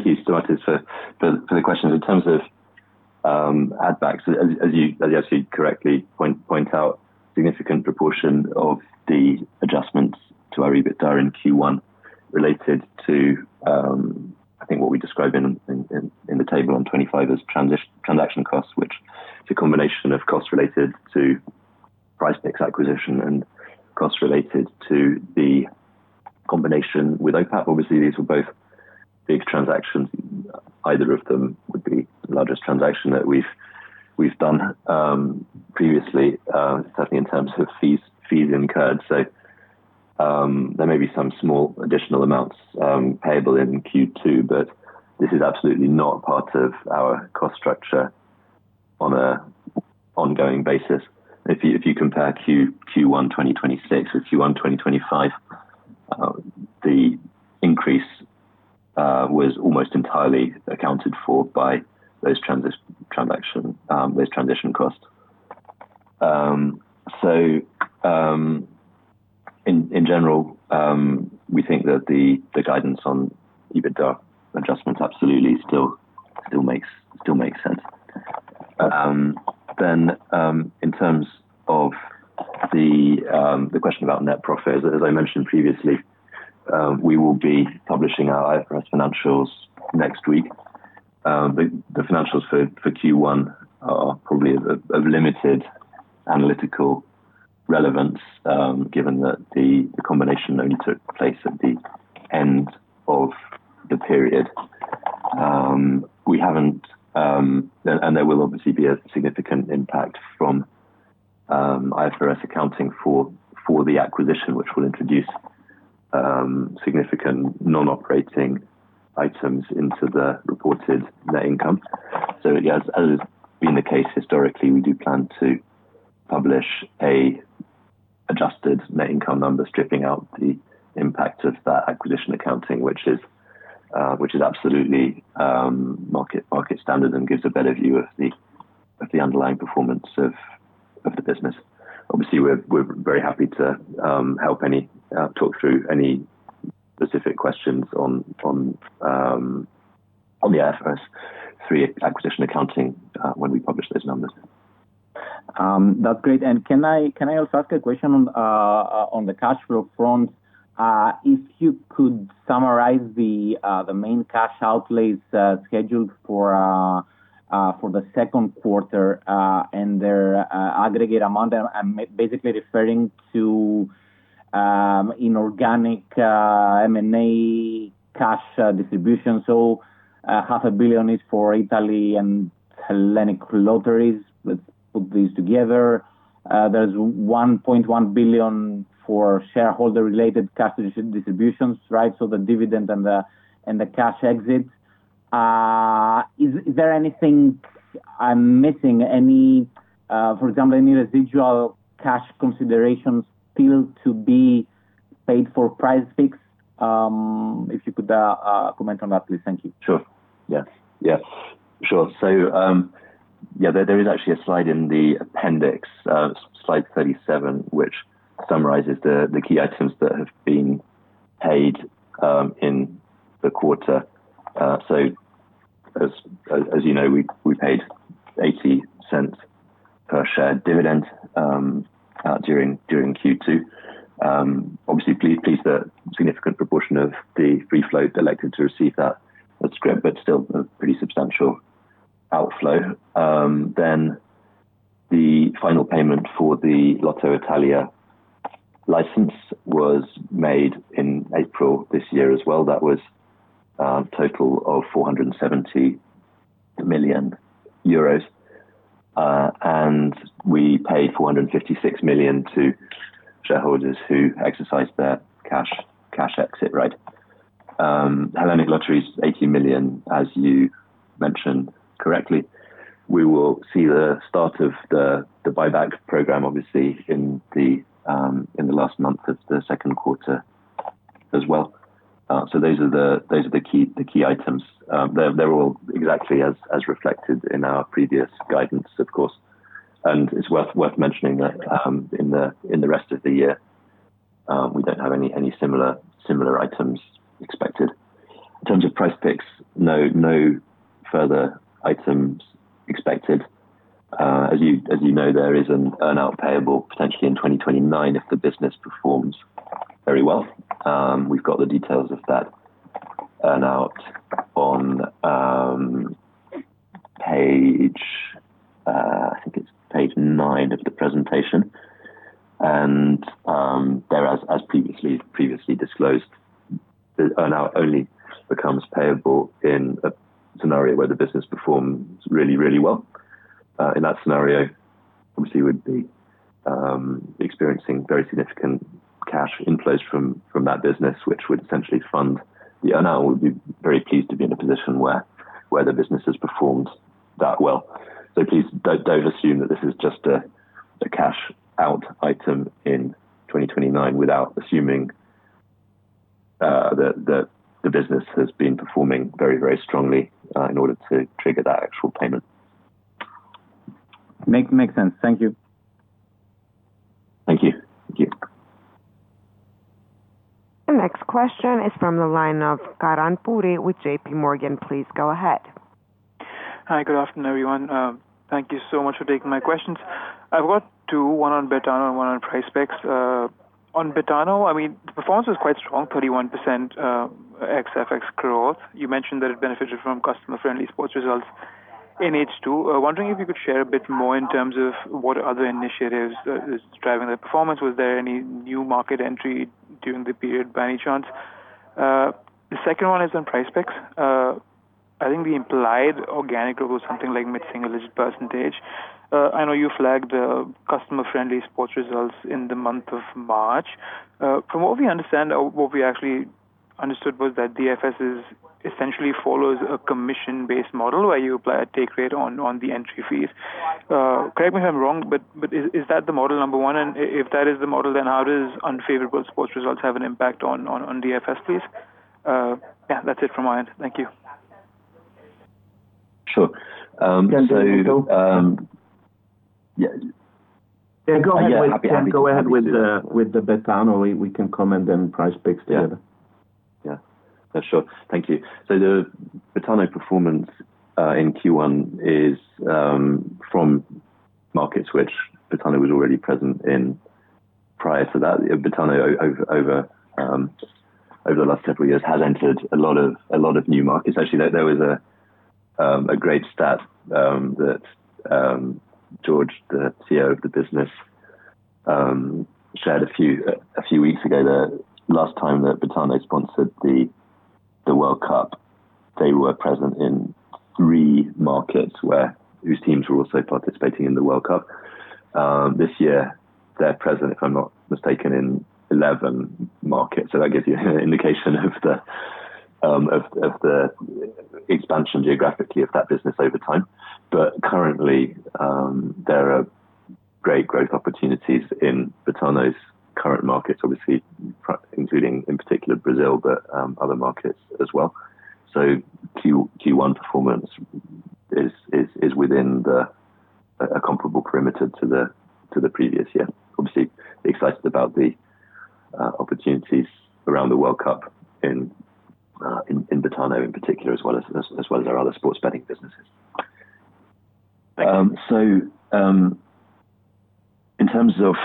S3: you, Stamatios, for the questions. In terms of add backs, as you actually correctly point out, significant proportion of the adjustments to our EBITDA in Q1 related to, I think what we describe in the table on 25 as transaction costs, which is a combination of costs related to PrizePicks acquisition and costs related to the combination with OPAP. Obviously, these were both big transactions. Either of them would be the largest transaction that we've done previously, certainly in terms of fees incurred. There may be some small additional amounts payable in Q2, but this is absolutely not part of our cost structure on an ongoing basis. If you compare Q1 2026 with Q1 2025, the increase was almost entirely accounted for by those transition costs. In general, we think that the guidance on EBITDA adjustments absolutely still makes sense. In terms of the question about net profit, as I mentioned previously, we will be publishing our IFRS financials next week. The financials for Q1 are probably of limited analytical relevance, given that the combination only took place at the end of the period. There will obviously be a significant impact from IFRS accounting for the acquisition, which will introduce significant non-operating items into the reported net income. Yes, as has been the case historically, we do plan to publish Adjusted net income numbers, stripping out the impact of that acquisition accounting, which is absolutely market standard and gives a better view of the underlying performance of the business. Obviously, we're very happy to talk through any specific questions on the IFRS 3 acquisition accounting when we publish those numbers.
S6: That's great. Can I also ask a question on the cash flow front? If you could summarize the main cash outlays scheduled for the second quarter and their aggregate amount. I'm basically referring to inorganic M&A cash distribution. 500 million is for Italy and Hellenic Lotteries. Let's put these together. There's 1.1 billion for shareholder related cash distributions, right? The dividend and the cash exits. Is there anything I'm missing? For example, any residual cash considerations still to be paid for PrizePicks? If you could comment on that, please. Thank you.
S3: Sure. Yeah. There is actually a slide in the appendix, slide 37, which summarizes the key items that have been paid in the quarter. As you know, we paid 0.80 per share dividend during Q2. Obviously, pleased that a significant proportion of the free float elected to receive that. That's great, but still a pretty substantial outflow. The final payment for the Lottoitalia license was made in April this year as well. That was a total of 470 million euros. We paid 456 million to shareholders who exercised their cash exit. Hellenic Lotteries, 80 million, as you mentioned correctly. We will see the start of the buyback program, obviously, in the last month of the second quarter as well. Those are the key items. They're all exactly as reflected in our previous guidance, of course. It's worth mentioning that in the rest of the year, we don't have any similar items expected. In terms of PrizePicks, no further items expected. As you know, there is an earn-out payable potentially in 2029 if the business performs very well. We've got the details of that earn-out on, I think it's page nine of the presentation. There, as previously disclosed, the earn-out only becomes payable in a scenario where the business performs really, really well. In that scenario, obviously we'd be experiencing very significant cash inflows from that business, which would essentially fund the earn-out. We'd be very pleased to be in a position where the business has performed that well. Please don't assume that this is just a cash out item in 2029 without assuming that the business has been performing very, very strongly in order to trigger that actual payment.
S6: Makes sense. Thank you.
S3: Thank you.
S1: The next question is from the line of Karan Puri with JPMorgan. Please go ahead.
S7: Hi, good afternoon, everyone. Thank you so much for taking my questions. I've got two, one on Betano and one on PrizePicks. On Betano, the performance was quite strong, 31% ex-FX growth. You mentioned that it benefited from customer-friendly sports results in H2. Wondering if you could share a bit more in terms of what other initiatives is driving that performance. Was there any new market entry during the period by any chance? The second one is on PrizePicks. I think the implied organic growth something like mid-single digit percentage. I know you flagged customer-friendly sports results in the month of March. From what we actually understood was that DFS essentially follows a commission-based model where you apply a take rate on the entry fees. Correct me if I'm wrong, is that the model, number one? If that is the model, then how does unfavorable sports results have an impact on DFS, please? Yeah, that's it from my end. Thank you.
S2: Sure.
S3: Can I take that, Rob?
S2: Yeah, go ahead with the Betano. We can comment then PrizePicks together.
S3: Yeah. Sure. Thank you. The Betano performance in Q1 is from markets which Betano was already present in prior to that. Betano, over the last several years, has entered a lot of new markets. Actually, there was a great stat that George, the CEO of the business shared a few weeks ago. The last time that Betano sponsored the World Cup, they were present in three markets whose teams were also participating in the World Cup. This year, they're present, if I'm not mistaken, in 11 markets. That gives you an indication of the expansion geographically of that business over time. Currently, there are great growth opportunities in Betano's current markets, obviously, including in particular Brazil, but other markets as well. Q1 performance is within a comparable perimeter to the previous year. Obviously excited about the opportunities around the World Cup in Betano in particular, as well as our other sports betting businesses.
S7: Thank you.
S3: In terms of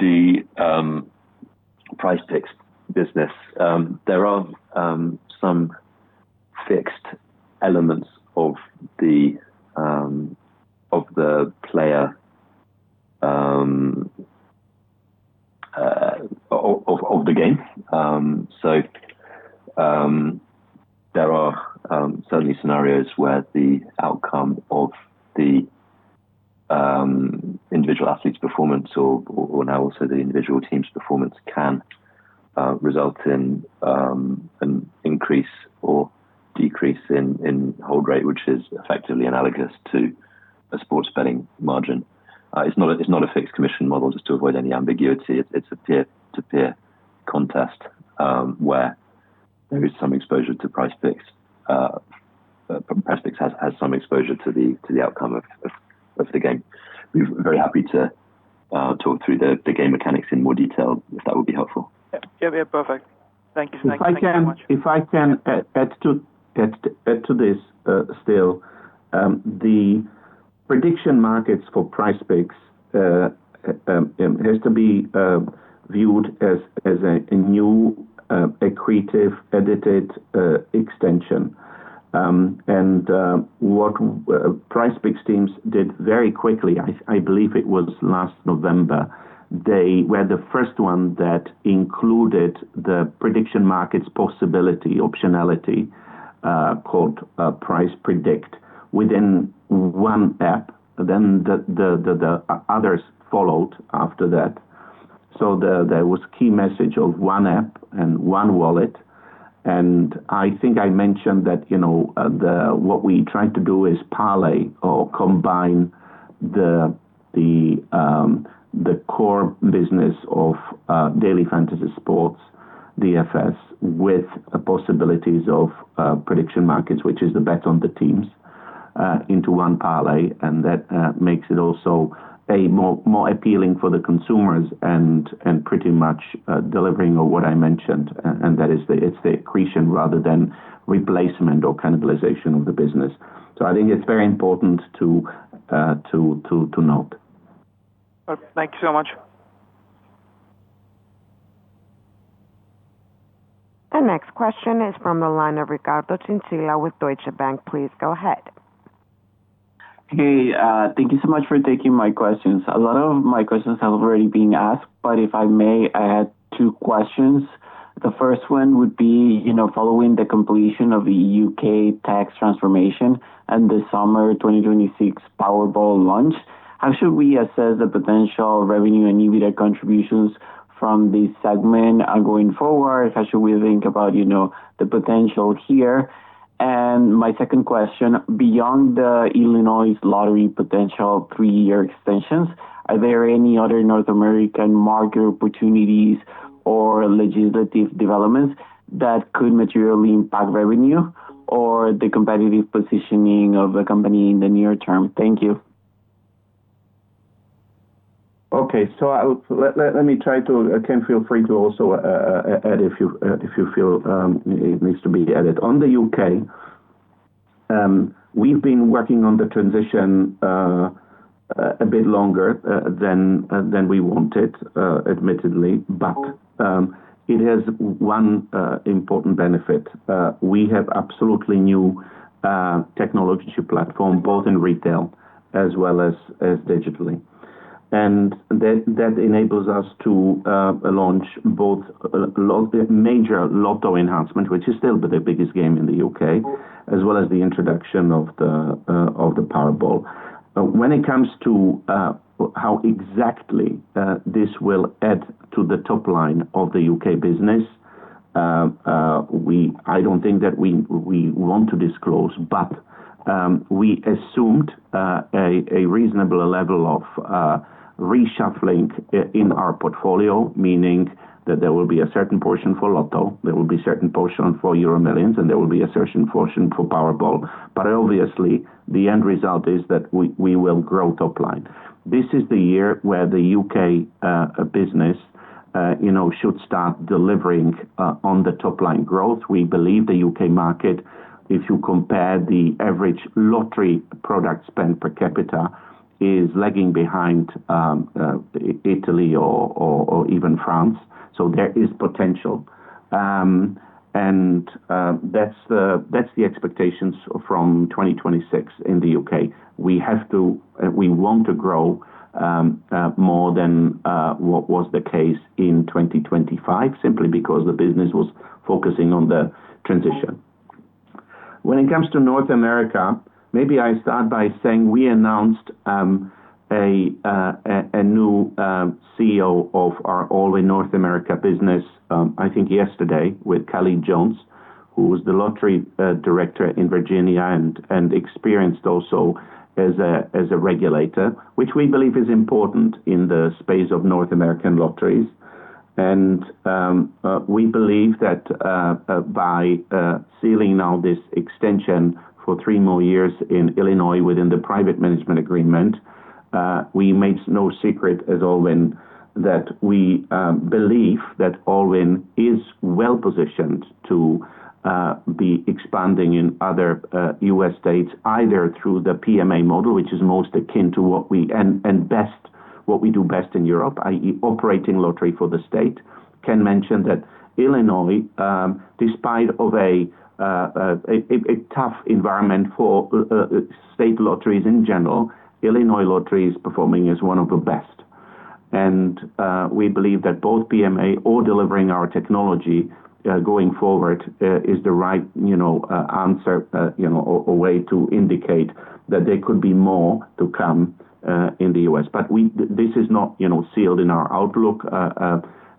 S3: the PrizePicks business, there are some fixed elements of the game. There are certainly scenarios where the outcome of the individual athlete's performance, or now also the individual team's performance can result in an increase or decrease in hold rate, which is effectively analogous to a sports betting margin. It's not a fixed commission model, just to avoid any ambiguity. It's a peer-to-peer contest, where there is some exposure to PrizePicks. PrizePicks has some exposure to the outcome of the game. We're very happy to talk through the game mechanics in more detail, if that would be helpful.
S7: Yep. Yeah, perfect. Thank you so much.
S2: If I can add to this still, the prediction markets for PrizePicks has to be viewed as a new accretive edited extension. What PrizePicks teams did very quickly, I believe it was last November. They were the first one that included the prediction markets possibility optionality, called Price Predict, within one app. The others followed after that. There was key message of one app and one wallet, and I think I mentioned that what we try to do is parlay or combine the core business of daily fantasy sports, DFS, with possibilities of prediction markets, which is the bet on the teams, into one parlay, and that makes it also more appealing for the consumers and pretty much delivering on what I mentioned, and that it's the accretion rather than replacement or cannibalization of the business. I think it's very important to note.
S7: Okay. Thank you so much.
S1: The next question is from the line of Ricardo Chinchilla with Deutsche Bank. Please go ahead.
S8: Hey, thank you so much for taking my questions. A lot of my questions have already been asked. If I may add two questions. The first one would be following the completion of the U.K. tax transformation and the summer 2026 Powerball launch, how should we assess the potential revenue and EBITDA contributions from this segment going forward? How should we think about the potential here? My second question, beyond the Illinois Lottery potential 3-year extensions, are there any other North American market opportunities or legislative developments that could materially impact revenue or the competitive positioning of the company in the near term? Thank you.
S2: Okay. Again, feel free to also add if you feel it needs to be added. On the U.K., we've been working on the transition a bit longer than we wanted, admittedly. It has one important benefit. We have absolutely new technology platform, both in retail as well as digitally. That enables us to launch both major Lotto enhancement, which is still the biggest game in the U.K., as well as the introduction of the Powerball. When it comes to how exactly this will add to the top line of the U.K. business, I don't think that we want to disclose, but we assumed a reasonable level of reshuffling in our portfolio, meaning that there will be a certain portion for Lotto, there will be certain portion for EuroMillions, and there will be a certain portion for Powerball. Obviously, the end result is that we will grow top line. This is the year where the U.K. business should start delivering on the top line growth. We believe the U.K. market, if you compare the average lottery product spend per capita, is lagging behind Italy or even France. There is potential. That's the expectations from 2026 in the U.K. We want to grow more than what was the case in 2025, simply because the business was focusing on the transition. When it comes to North America, maybe I start by saying we announced a new CEO of our Allwyn North America business, I think yesterday, with Khalid Jones, who was the lottery director in Virginia and experienced also as a regulator, which we believe is important in the space of North American lotteries. We believe that by sealing now this extension for 3 more years in Illinois within the private management agreement, we made no secret at Allwyn that we believe that Allwyn is well-positioned to be expanding in other U.S. states, either through the PMA model, which is most akin and what we do best in Europe, i.e., operating lottery for the state. Ken mentioned that Illinois, despite of a tough environment for state lotteries in general, Illinois Lottery is performing as one of the best. We believe that both PMA or delivering our technology going forward, is the right answer, a way to indicate that there could be more to come in the U.S. This is not sealed in our outlook.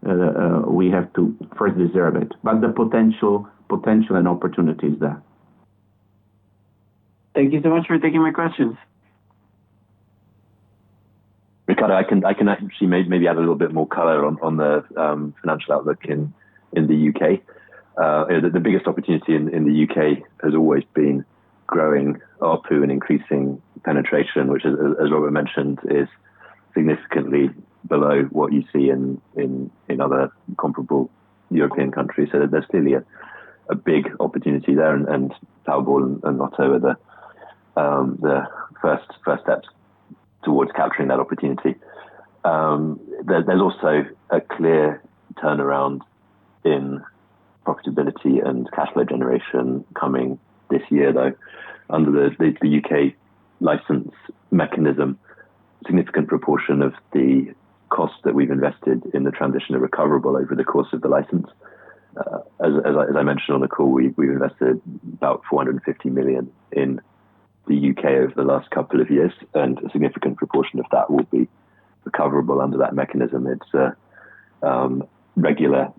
S2: We have to first deserve it. The potential and opportunity is there.
S8: Thank you so much for taking my questions.
S3: Ricardo, I can actually maybe add a little bit more color on the financial outlook in the U.K. The biggest opportunity in the U.K. has always been growing ARPU and increasing penetration, which as Robert mentioned, is significantly below what you see in other comparable European countries. There's still a big opportunity there, and Powerball and Lotto are the first steps towards capturing that opportunity. There's also a clear turnaround in profitability and cash flow generation coming this year, though under the U.K. license mechanism, significant proportion of the cost that we've invested in the transition are recoverable over the course of the license. As I mentioned on the call, we've invested about 450 million in the U.K. over the last couple of years, and a significant proportion of that will be recoverable under that mechanism. It's regular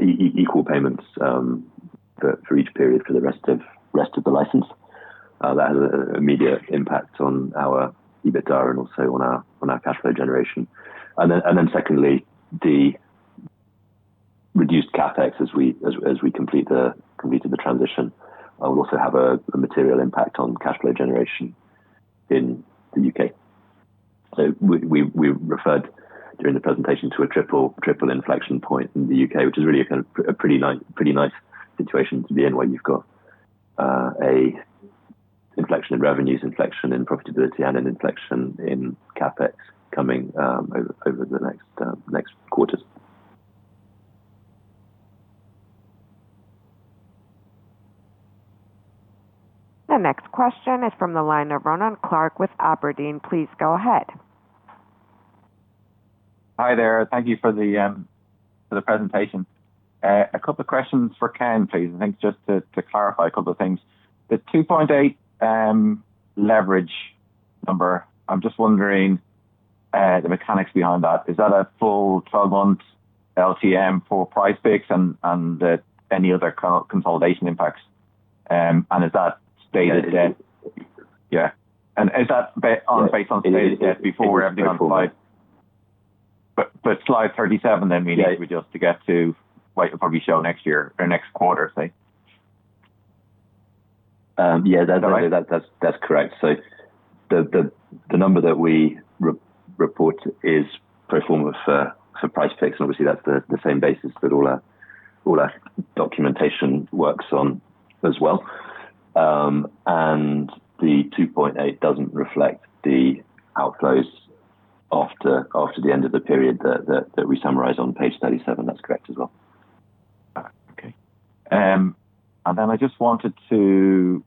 S3: equal payments for each period for the rest of the license. That has an immediate impact on our EBITDA and also on our cash flow generation. Secondly, the reduced CapEx as we complete the transition will also have a material impact on cash flow generation in the U.K. We referred during the presentation to a triple inflection point in the U.K., which is really a kind of a pretty nice situation to be in, where you've got a inflection in revenues, inflection in profitability, and an inflection in CapEx coming over the next quarters.
S1: The next question is from the line of Ronan Clarke with aberdeen. Please go ahead.
S9: Hi there. Thank you for the presentation. A couple of questions for Ken, please. I think just to clarify a couple of things. The 2.8 leverage number, I'm just wondering the mechanics behind that. Is that a full 12-month LTM for PrizePicks and any other consolidation impacts? Is that stated-
S3: Yeah.
S9: Yeah. Is that based on stated debt before everything on slide 37 then we need to adjust to get to what will probably show next year or next quarter, say?
S3: Yeah, that's correct. The number that we report is pro forma for PrizePicks, and obviously that's the same basis that all our documentation works on as well. The 2.8 doesn't reflect the outflows after the end of the period that we summarize on page 37. That's correct as well.
S9: Okay. I just wanted to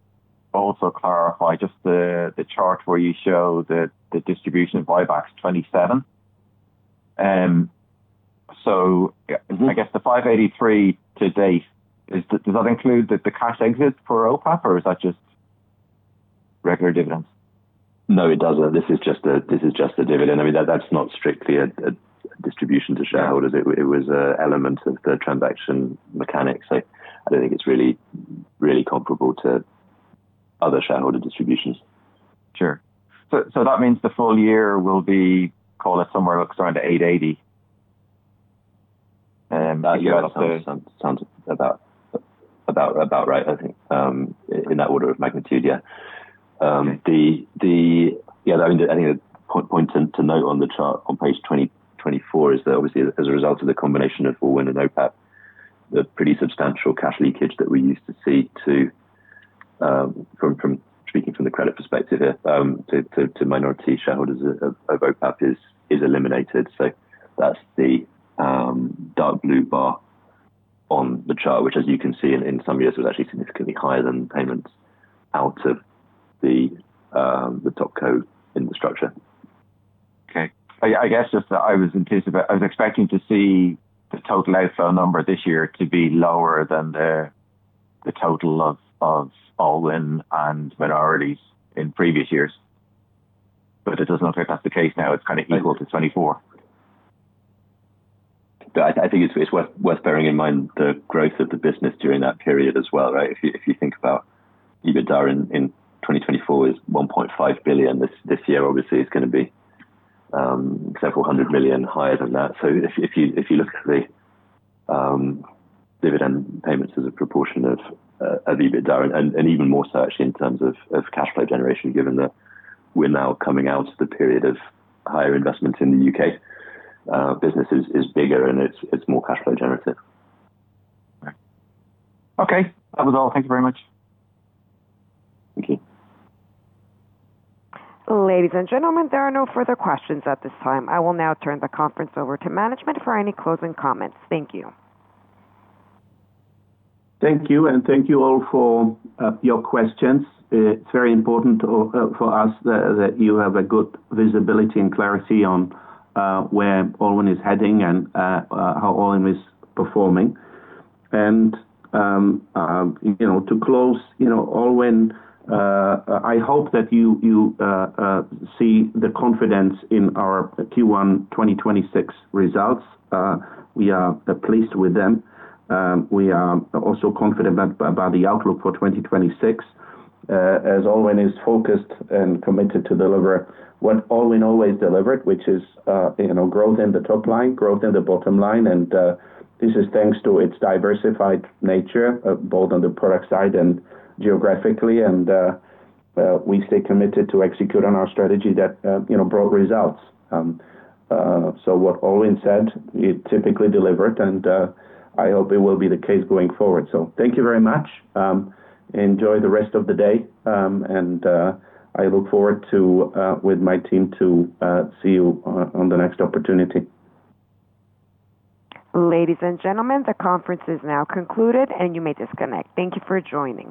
S9: also clarify just the chart where you show the distribution of buybacks 2027. I guess the 583 to date, does that include the cash exit for OPAP, or is that just regular dividends?
S3: No, it doesn't. This is just a dividend. I mean, that's not strictly a distribution to shareholders. It was a element of the transaction mechanics. I don't think it's really comparable to other shareholder distributions.
S9: Sure. That means the full year will be call it somewhere around 880.
S3: That sounds about right. I think in that order of magnitude, yeah.
S9: Okay.
S3: The other point to note on the chart on page 24 is that obviously as a result of the combination of Allwyn and OPAP, the pretty substantial cash leakage that we used to see to, from speaking from the credit perspective here, to minority shareholders of OPAP is eliminated. That's the dark blue bar on the chart, which as you can see in some years was actually significantly higher than payments out of the top co in the structure.
S9: Okay. I guess just that I was expecting to see the total outflow number this year to be lower than the total of Allwyn and Minorities in previous years. It doesn't look like that's the case now. It's kind of equal to 2024.
S3: I think it's worth bearing in mind the growth of the business during that period as well, right? If you think about EBITDA in 2024 is 1.5 billion. This year obviously is going to be several hundred million EUR higher than that. If you look at the dividend payments as a proportion of EBITDA and even more so actually in terms of cash flow generation, given that we're now coming out of the period of higher investments in the U.K. Business is bigger and it's more cash flow generative.
S9: Right. Okay. That was all. Thank you very much.
S3: Okay.
S1: Ladies and gentlemen, there are no further questions at this time. I will now turn the conference over to management for any closing comments. Thank you.
S2: Thank you. Thank you all for your questions. It's very important for us that you have a good visibility and clarity on where Allwyn is heading and how Allwyn is performing. To close Allwyn, I hope that you see the confidence in our Q1 2026 results. We are pleased with them. We are also confident about the outlook for 2026, as Allwyn is focused and committed to deliver what Allwyn always delivered, which is growth in the top line, growth in the bottom line. This is thanks to its diversified nature, both on the product side and geographically. We stay committed to execute on our strategy that brought results. What Allwyn said, it typically delivered, and I hope it will be the case going forward. Thank you very much. Enjoy the rest of the day, and I look forward with my team to see you on the next opportunity.
S1: Ladies and gentlemen, the conference is now concluded and you may disconnect. Thank you for joining.